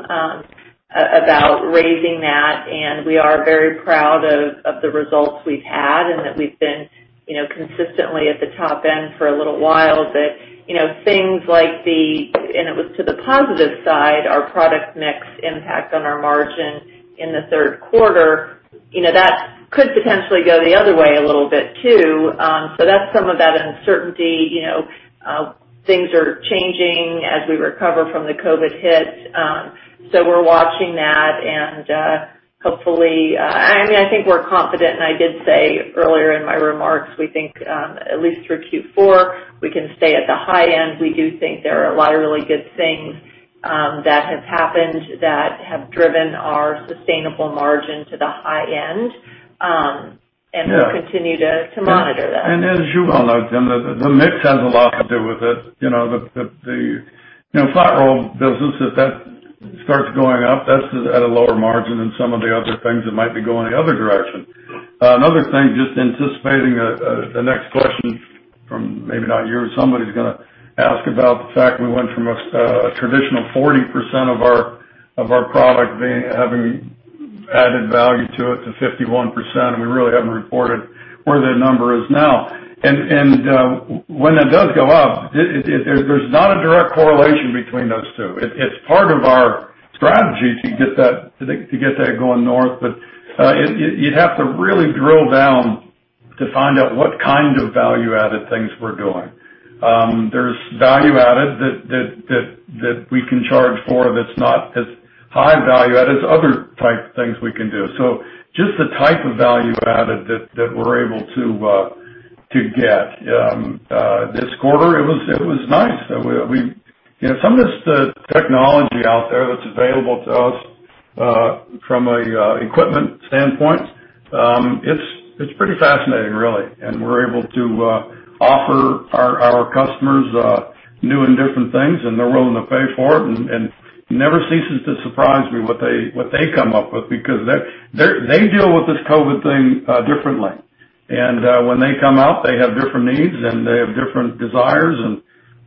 about raising that, and we are very proud of the results we've had and that we've been consistently at the top end for a little while. Things like the And it was to the positive side, our product mix impact on our margin in the third quarter, that could potentially go the other way a little too. That's some of that uncertainty, things are changing as we recover from the COVID-19 hit. We're watching that and I think we're confident, and I did say earlier in my remarks, we think, at least through Q4, we can stay at the high end. We do think there are a lot of really good things that have happened that have driven our sustainable margin to the high end. Yeah We'll continue to monitor that. As you well know, Timna, the mix has a lot to do with it. The flat roll business, if that starts going up, that's at a lower margin than some of the other things that might be going the other direction. Another thing, just anticipating the next question from maybe not you, but somebody's going to ask about the fact we went from a traditional 40% of our product having added value to it, to 51%, and we really haven't reported where that number is now. When that does go up, there's not a direct correlation between those two. It's part of our strategy to get that going north. You'd have to really drill down to find out what kind of value-added things we're doing. There's value added that we can charge for that's not as high value added as other type things we can do. Just the type of value added that we're able to get. This quarter, it was nice. Some of this technology out there that's available to us from an equipment standpoint, it's pretty fascinating, really, and we're able to offer our customers new and different things, and they're willing to pay for it. It never ceases to surprise me what they come up with because they deal with this COVID-19 thing differently. When they come out, they have different needs, they have different desires,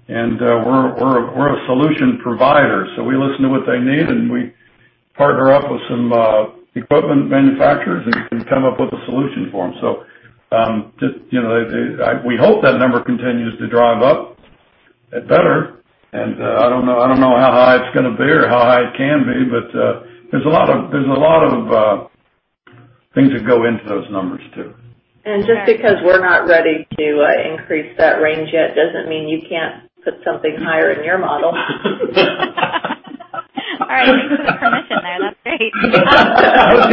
and we're a solution provider. We listen to what they need, and we partner up with some equipment manufacturers and come up with a solution for them. We hope that number continues to drive up. It better. I don't know how high it's going to be or how high it can be. There's a lot of things that go into those numbers, too. Just because we're not ready to increase that range yet doesn't mean you can't put something higher in your model. All right. Thanks for the permission there. That's great. I was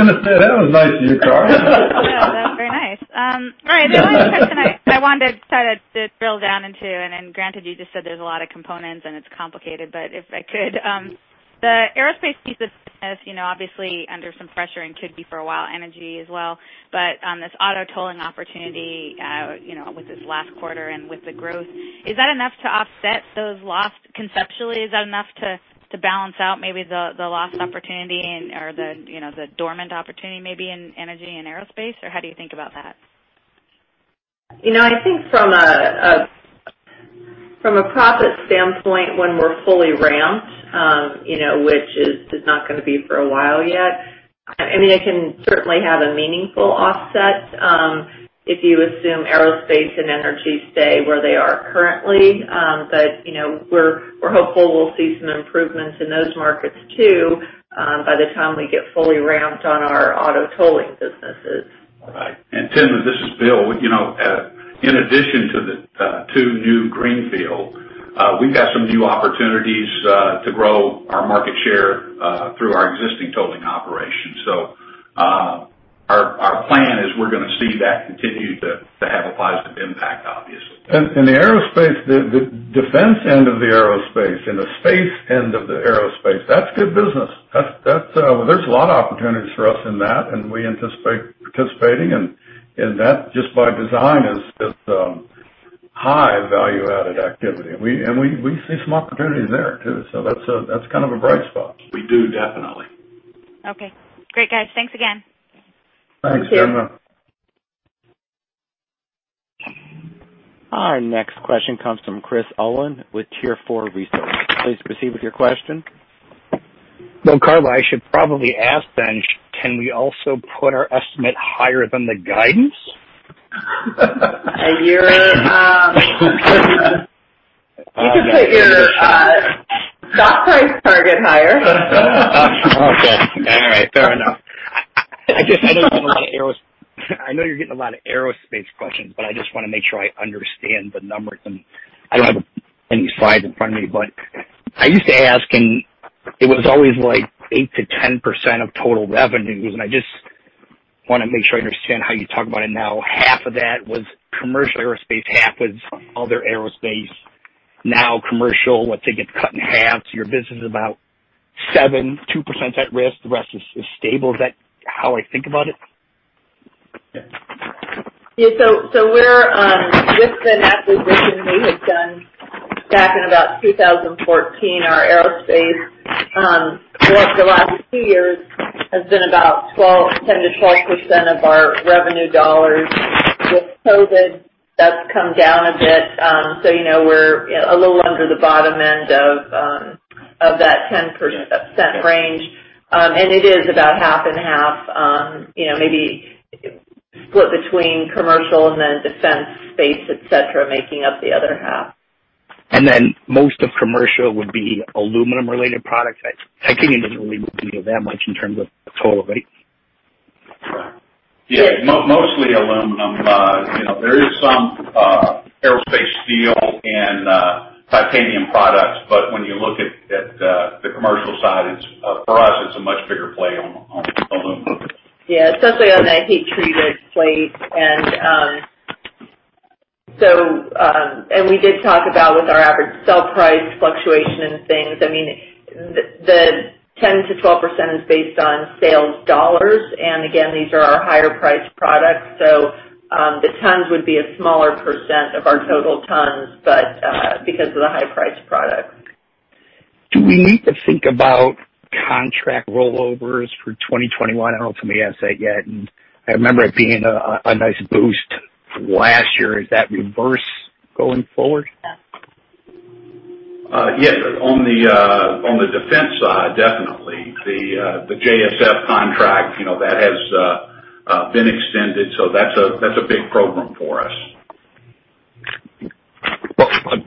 going to say, that was nice of you, Karla. Yeah, that was very nice. All right. The last question I wanted to try to drill down into, and granted, you just said there's a lot of components, and it's complicated, but if I could. The aerospace piece of business, obviously under some pressure and could be for a while, energy as well. This auto tolling opportunity, with this last quarter and with the growth, is that enough to offset those lost conceptually? Is that enough to balance out maybe the lost opportunity or the dormant opportunity, maybe in energy and aerospace, or how do you think about that? I think from a profit standpoint, when we're fully ramped, which is not going to be for a while yet. It can certainly have a meaningful offset, if you assume aerospace and energy stay where they are currently. We're hopeful we'll see some improvements in those markets too, by the time we get fully ramped on our auto tolling businesses. Right. Timna, this is Bill. In addition to the two new greenfield, we've got some new opportunities to grow our market share through our existing tolling operations. Our plan is we're going to see that continue to have a positive impact, obviously. The defense end of the aerospace and the space end of the aerospace, that's good business. There's a lot of opportunities for us in that, and we anticipate participating, and that just by design, is high value-added activity. We see some opportunities there too. That's kind of a bright spot. We do, definitely. Okay. Great, guys. Thanks again. Thanks, Timna. Thank you. Our next question comes from Chris Olin with Tier4 Research. Please proceed with your question. Well, Karla, I should probably ask then, can we also put our estimate higher than the guidance? To put your stock price target higher. Okay. All right. Fair enough. I know you're getting a lot of aerospace questions, but I just want to make sure I understand the numbers, and I don't have any slides in front of me, but I used to ask, and it was always 8%-10% of total revenues, and I just want to make sure I understand how you talk about it now. Half of that was commercial aerospace, half was other aerospace. Now commercial, what, they get cut in half, so your business is about 7.2% is at risk, the rest is stable. Is that how I think about it? Yeah. This attribution we had done back in about 2014, our aerospace, for the last few years, has been about 10%-12% of our revenue dollars. With COVID, that's come down a bit. We're a little under the bottom end of that 10% range. It is about half and half, maybe split between commercial, and then defense, space, et cetera, making up the other half. Most of commercial would be aluminum-related products? I take it it doesn't really move the needle that much in terms of total, right? Yeah, mostly aluminum. There is some aerospace steel and titanium products, when you look at the commercial side, for us, it's a much bigger play on aluminum. Yeah, especially on that heat-treated plate. We did talk about, with our average sale price fluctuation and things, the 10%-12% is based on $ sales, and again, these are our higher-priced products. The tons would be a smaller % of our total tons, but because of the high-priced product. Do we need to think about contract rollovers for 2021? I don't know if somebody asked that yet, and I remember it being a nice boost last year. Is that reverse going forward? Yes. On the defense side, definitely. The JSF contract, that has been extended. That's a big program for us.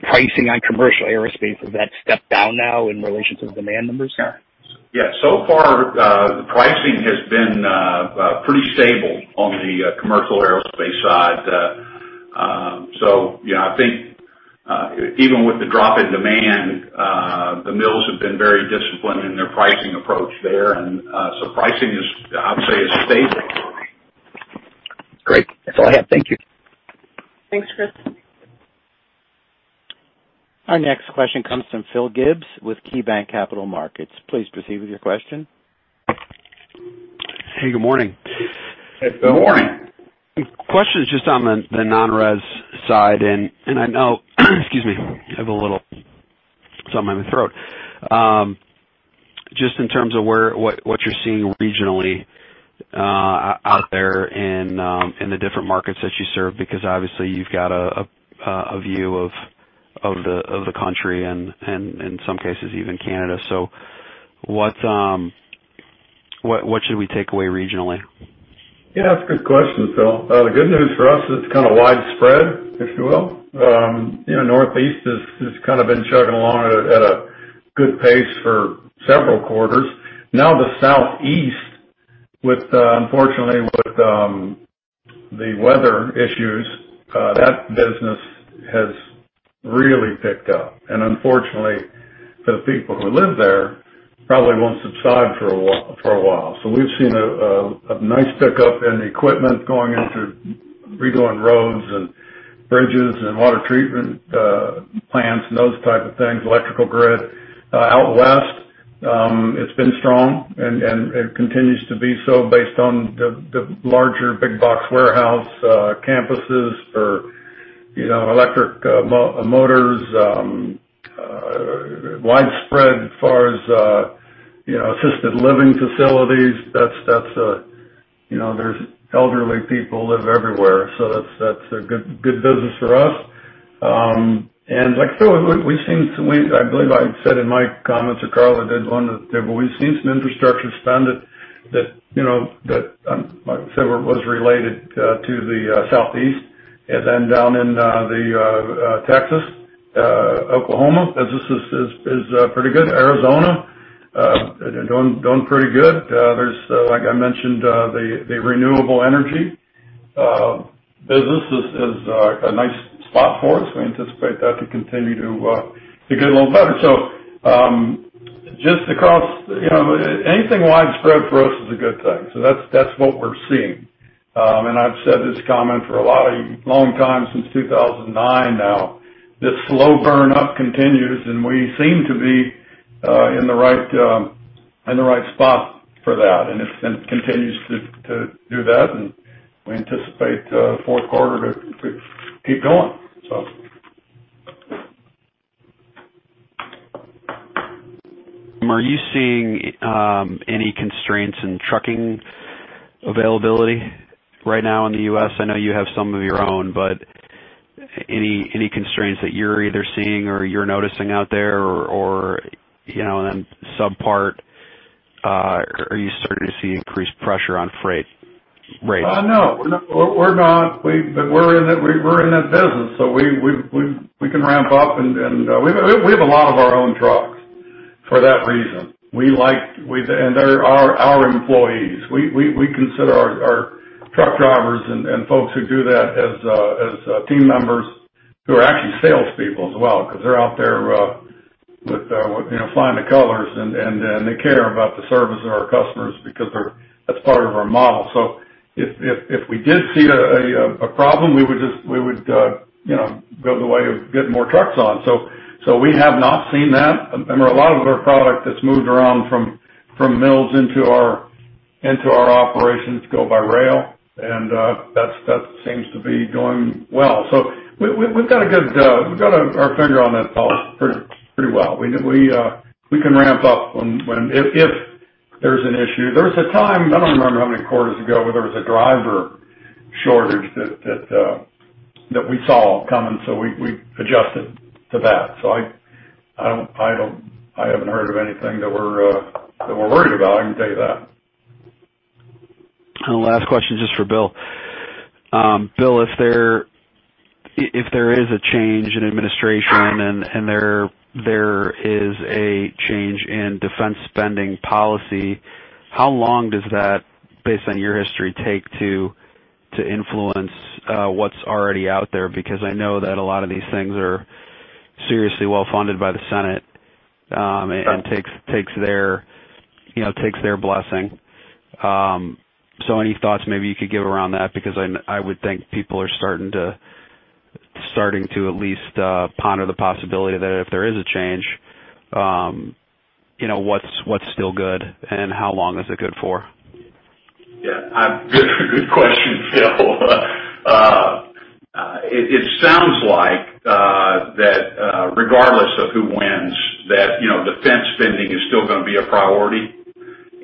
Pricing on commercial aerospace, has that stepped down now in relation to the demand numbers? Yeah. Far, the pricing has been pretty stable on the commercial aerospace side. I think, even with the drop in demand, the mills have been very disciplined in their pricing approach there. Pricing is, I would say, is stable. Great. That's all I have. Thank you. Thanks, Chris. Our next question comes from Phil Gibbs with KeyBanc Capital Markets. Please proceed with your question. Hey, good morning. Hey, Phil. Morning. Question is just on the non-res side. I know, excuse me, I have a little something in my throat. Just in terms of what you're seeing regionally out there in the different markets that you serve, because obviously you've got a view of the country, and in some cases, even Canada. What should we take away regionally? Yeah, that's a good question, Phil. The good news for us, it's kind of widespread, if you will. Northeast has kind of been chugging along at a good pace for several quarters. The Southeast, unfortunately, with the weather issues, that business has really picked up, and unfortunately for the people who live there, probably won't subside for a while. We've seen a nice pickup in equipment going into regrowing roads and bridges and water treatment plants and those type of things, electrical grid. Out West, it's been strong, and it continues to be so based on the larger big box warehouse campuses for electric motors, widespread as far as assisted living facilities. There's elderly people live everywhere, that's a good business for us. Like Phil, I believe I said in my comments, or Karla did on the table, we've seen some infrastructure spend that, like I said, was related to the Southeast. Down in Texas, Oklahoma, business is pretty good. Arizona, doing pretty good. There's, like I mentioned, the renewable energy business is a nice spot for us. We anticipate that to continue to get a little better. Anything widespread for us is a good thing. That's what we're seeing. I've said this comment for a long time, since 2009 now. This slow burn up continues, and we seem to be in the right spot for that, and it continues to do that, and we anticipate fourth quarter to keep going. Are you seeing any constraints in trucking availability right now in the U.S.? I know you have some of your own, any constraints that you're either seeing or you're noticing out there or subpar? Are you starting to see increased pressure on freight rates? No, we're not. We're in that business. We can ramp up, and we have a lot of our own trucks for that reason. They're our employees. We consider our truck drivers and folks who do that as team members who are actually salespeople as well, because they're out there flying the colors, and they care about the service of our customers because that's part of our model. If we did see a problem, we would go the way of getting more trucks on. We have not seen that. A lot of our product that's moved around from mills into our operations go by rail, and that seems to be going well. We've got our finger on that pulse pretty well. We can ramp up if there's an issue. There was a time, I don't remember how many quarters ago, but there was a driver shortage that we saw coming, so we adjusted to that. I haven't heard of anything that we're worried about, I can tell you that. The last question, just for Bill. Bill, if there is a change in administration and there is a change in defense spending policy, how long does that, based on your history, take to influence what's already out there? Because I know that a lot of these things are seriously well-funded by the Senate. Sure and takes their blessing. Any thoughts maybe you could give around that? I would think people are starting to at least ponder the possibility that if there is a change, what's still good, and how long is it good for? Good question, Phil. It sounds like that regardless of who wins, that defense spending is still going to be a priority.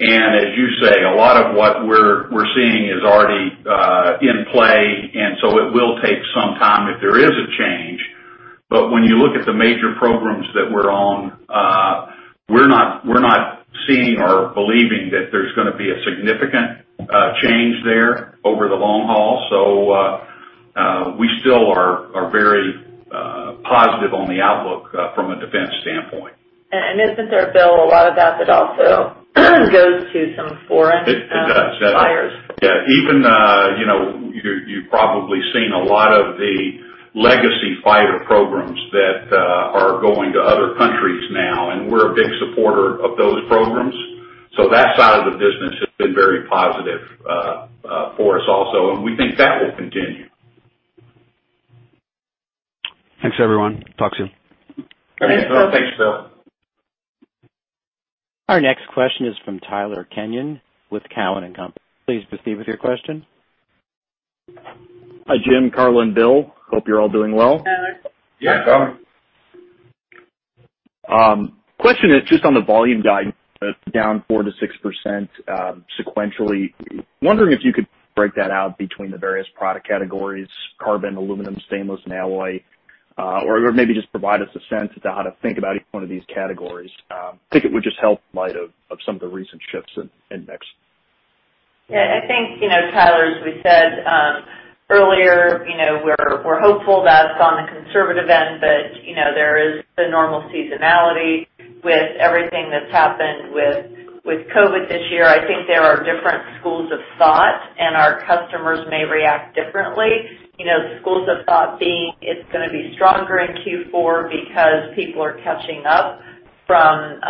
As you say, a lot of what we're seeing is already in play, and so it will take some time if there is a change. When you look at the major programs that we're on, we're not seeing or believing that there's going to be a significant change there over the long haul. We still are very positive on the outlook from a defense standpoint. Isn't there, Bill, a lot of that that also goes to some foreign- It does. suppliers. You've probably seen a lot of the legacy fighter programs that are going to other countries now, and we're a big supporter of those programs. That side of the business has been very positive for us also, and we think that will continue. Thanks, everyone. Talk soon. Thanks, Phil. Thanks, Bill. Our next question is from Tyler Kenyon with Cowen and Company. Please proceed with your question. Hi, Jim, Karla, and Bill. Hope you're all doing well. Tyler. Yeah, Tyler. Question is just on the volume guide down 4%-6% sequentially. Wondering if you could break that out between the various product categories, carbon, aluminum, stainless, and alloy. Maybe just provide us a sense to how to think about each one of these categories. Think it would just help in light of some of the recent shifts in mix. I think, Tyler, as we said earlier, we're hopeful that's on the conservative end, but there is the normal seasonality with everything that's happened with COVID this year. I think there are different schools of thought, and our customers may react differently. The schools of thought being it's going to be stronger in Q4 because people are catching up from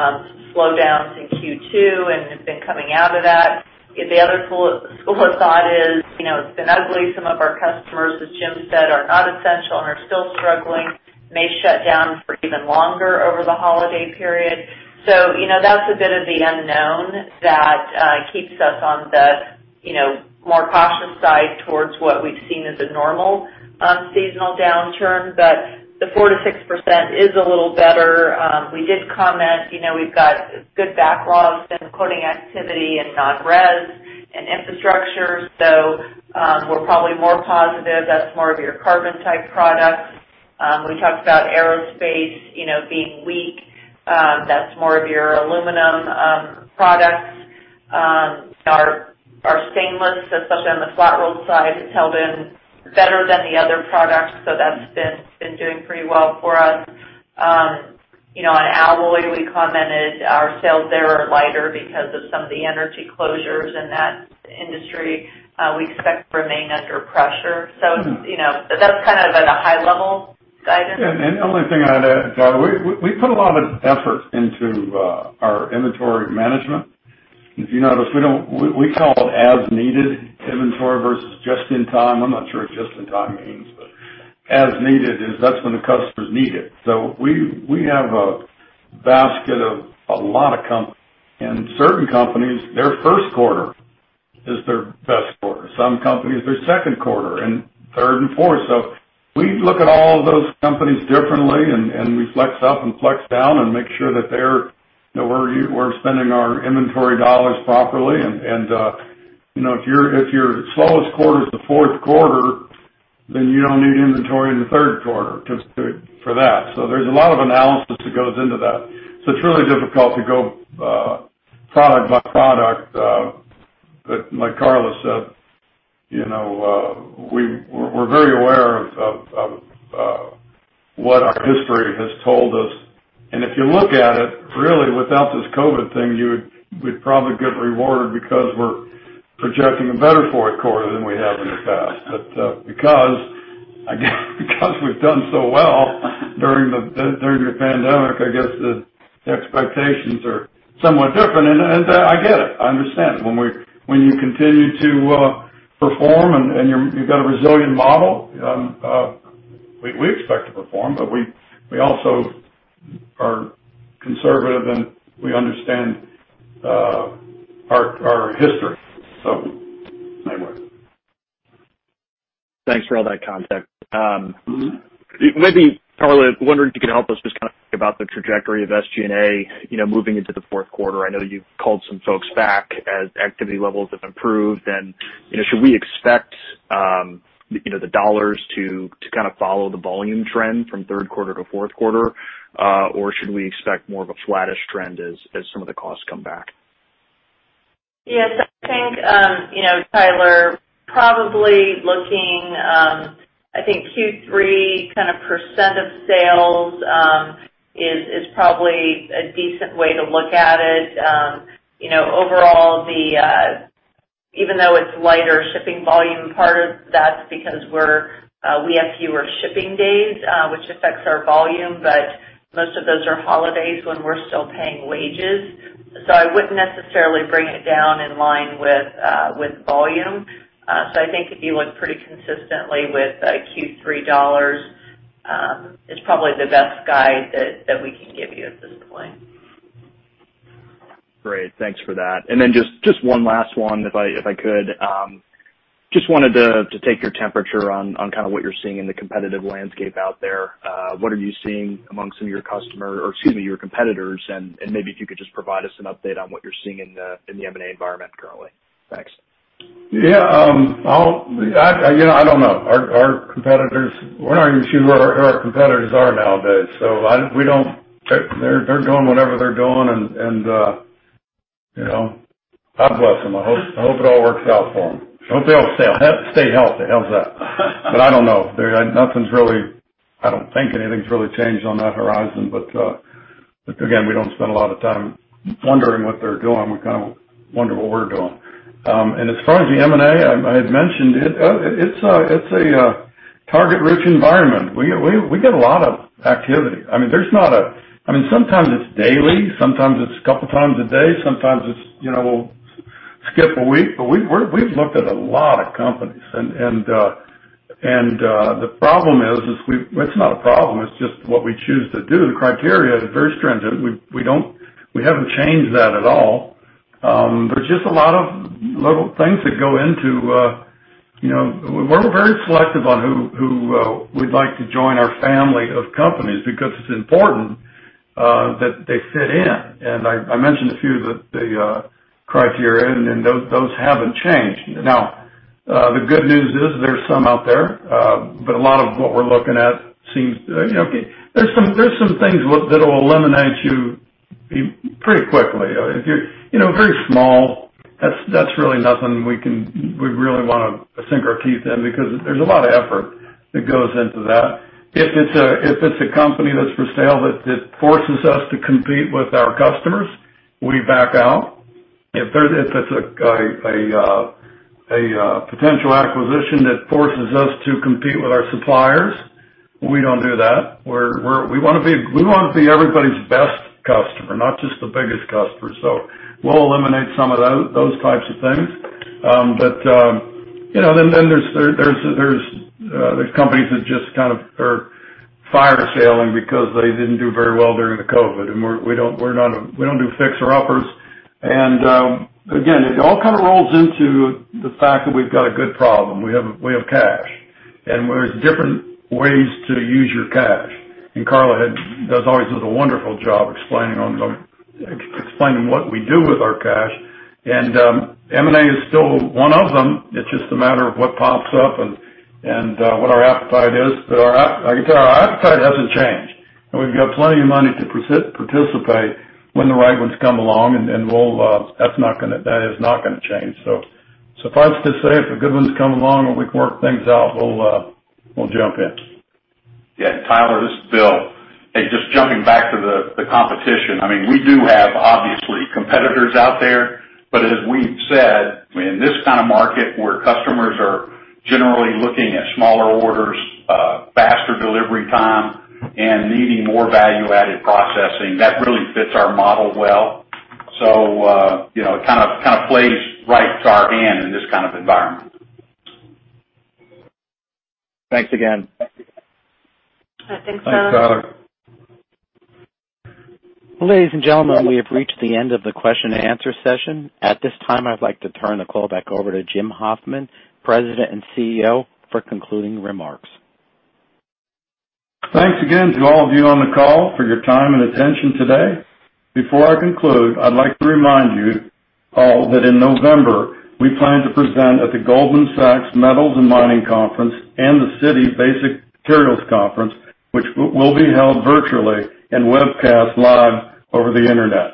slowdowns in Q2 and have been coming out of that. The other school of thought is, it's been ugly. Some of our customers, as Jim said, are not essential and are still struggling, may shut down for even longer over the holiday period. That's a bit of the unknown that keeps us on the more cautious side towards what we've seen as a normal unseasonal downturn. The 4%-6% is a little better. We did comment we've got good backlogs in quoting activity in non-res and infrastructure. We're probably more positive. That's more of your carbon-type products. We talked about aerospace being weak. That's more of your aluminum products. Our stainless, especially on the flat roll side, has held in better than the other products, so that's been doing pretty well for us. On alloy, we commented our sales there are lighter because of some of the energy closures in that industry. We expect to remain under pressure. That's kind of at a high-level guidance. The only thing I'd add, Tyler, we put a lot of effort into our inventory management. If you notice, we call it as-needed inventory versus just-in-time. I'm not sure what just-in-time means, but as-needed is that's when the customers need it. We have a basket of a lot of companies, and certain companies, their first quarter is their best quarter. Some companies, their second quarter and third and fourth. We look at all of those companies differently, and we flex up and flex down and make sure that we're spending our inventory dollars. If your slowest quarter is the fourth quarter, then you don't need inventory in the third quarter for that. There's a lot of analysis that goes into that. It's really difficult to go product by product. Like Karla said, we're very aware of what our history has told us. If you look at it, really, without this COVID-19 thing, we'd probably get rewarded because we're projecting a better fourth quarter than we have in the past. Because we've done so well during the pandemic, I guess the expectations are somewhat different, and I get it. I understand. When you continue to perform and you've got a resilient model, we expect to perform, but we also are conservative, and we understand our history. Anyway. Thanks for all that context. Maybe, Karla, wondering if you can help us just kind of think about the trajectory of SG&A, moving into the fourth quarter. I know you've called some folks back as activity levels have improved. Should we expect the dollars to follow the volume trend from third quarter to fourth quarter? Should we expect more of a flattish trend as some of the costs come back? Yes. I think, Tyler, probably looking, I think Q3 % of sales, is probably a decent way to look at it. Even though it's lighter shipping volume, part of that's because we have fewer shipping days, which affects our volume, but most of those are holidays when we're still paying wages. I wouldn't necessarily bring it down in line with volume. I think if you look pretty consistently with Q3 $, it's probably the best guide that we can give you at this point. Great. Thanks for that. Just one last one, if I could. Just wanted to take your temperature on kind of what you're seeing in the competitive landscape out there. What are you seeing among some of your competitors, and maybe if you could just provide us an update on what you're seeing in the M&A environment currently. Thanks. Yeah. I don't know. Our competitors, we're not even sure who our competitors are nowadays. They're doing whatever they're doing and God bless them. I hope it all works out for them. I hope they all stay healthy. How's that? I don't know. I don't think anything's really changed on that horizon. Again, we don't spend a lot of time wondering what they're doing. We kind of wonder what we're doing. As far as the M&A, I had mentioned, it's a target-rich environment. We get a lot of activity. Sometimes it's daily, sometimes it's a couple of times a day, sometimes we'll skip a week, but we've looked at a lot of companies. The problem is, it's not a problem, it's just what we choose to do. The criteria is very stringent. We haven't changed that at all. There are just a lot of little things that go into. We're very selective on who we'd like to join our family of companies because it's important that they fit in. I mentioned a few of the criteria, and those haven't changed. The good news is there are some out there, but there's some things that'll eliminate you pretty quickly. If you're very small, that's really nothing we'd really want to sink our teeth in because there's a lot of effort that goes into that. If it's a company that's for sale that forces us to compete with our customers, we back out. If it's a potential acquisition that forces us to compete with our suppliers, we don't do that. We want to be everybody's best customer, not just the biggest customer. We'll eliminate some of those types of things. There's companies that just kind of are fire selling because they didn't do very well during the COVID, and we don't do fixer-uppers. Again, it all kind of rolls into the fact that we've got a good problem. We have cash. There's different ways to use your cash. Karla always does a wonderful job explaining what we do with our cash. M&A is still one of them. It's just a matter of what pops up and what our appetite is. I can tell you, our appetite hasn't changed. We've got plenty of money to participate when the right ones come along and that is not gonna change. Surprise to say if the good ones come along and we can work things out, we'll jump in. Yeah. Tyler, this is Bill. Hey, just jumping back to the competition. We do have, obviously, competitors out there. As we've said, in this kind of market where customers are generally looking at smaller orders, faster delivery time, and needing more value-added processing, that really fits our model well. It kind of plays right to our hand in this kind of environment. Thanks again. Thanks, Tyler. Thanks, Tyler. Well, ladies and gentlemen, we have reached the end of the question and answer session. At this time, I'd like to turn the call back over to Jim Hoffman, President and CEO, for concluding remarks. Thanks again to all of you on the call for your time and attention today. Before I conclude, I'd like to remind you all that in November, we plan to present at the Goldman Sachs Metals and Mining Conference and the Citi Basic Materials Conference, which will be held virtually and webcast live over the Internet.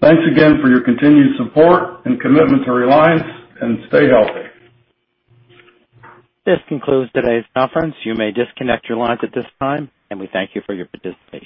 Thanks again for your continued support and commitment to Reliance, and stay healthy. This concludes today's conference. You may disconnect your lines at this time, and we thank you for your participation.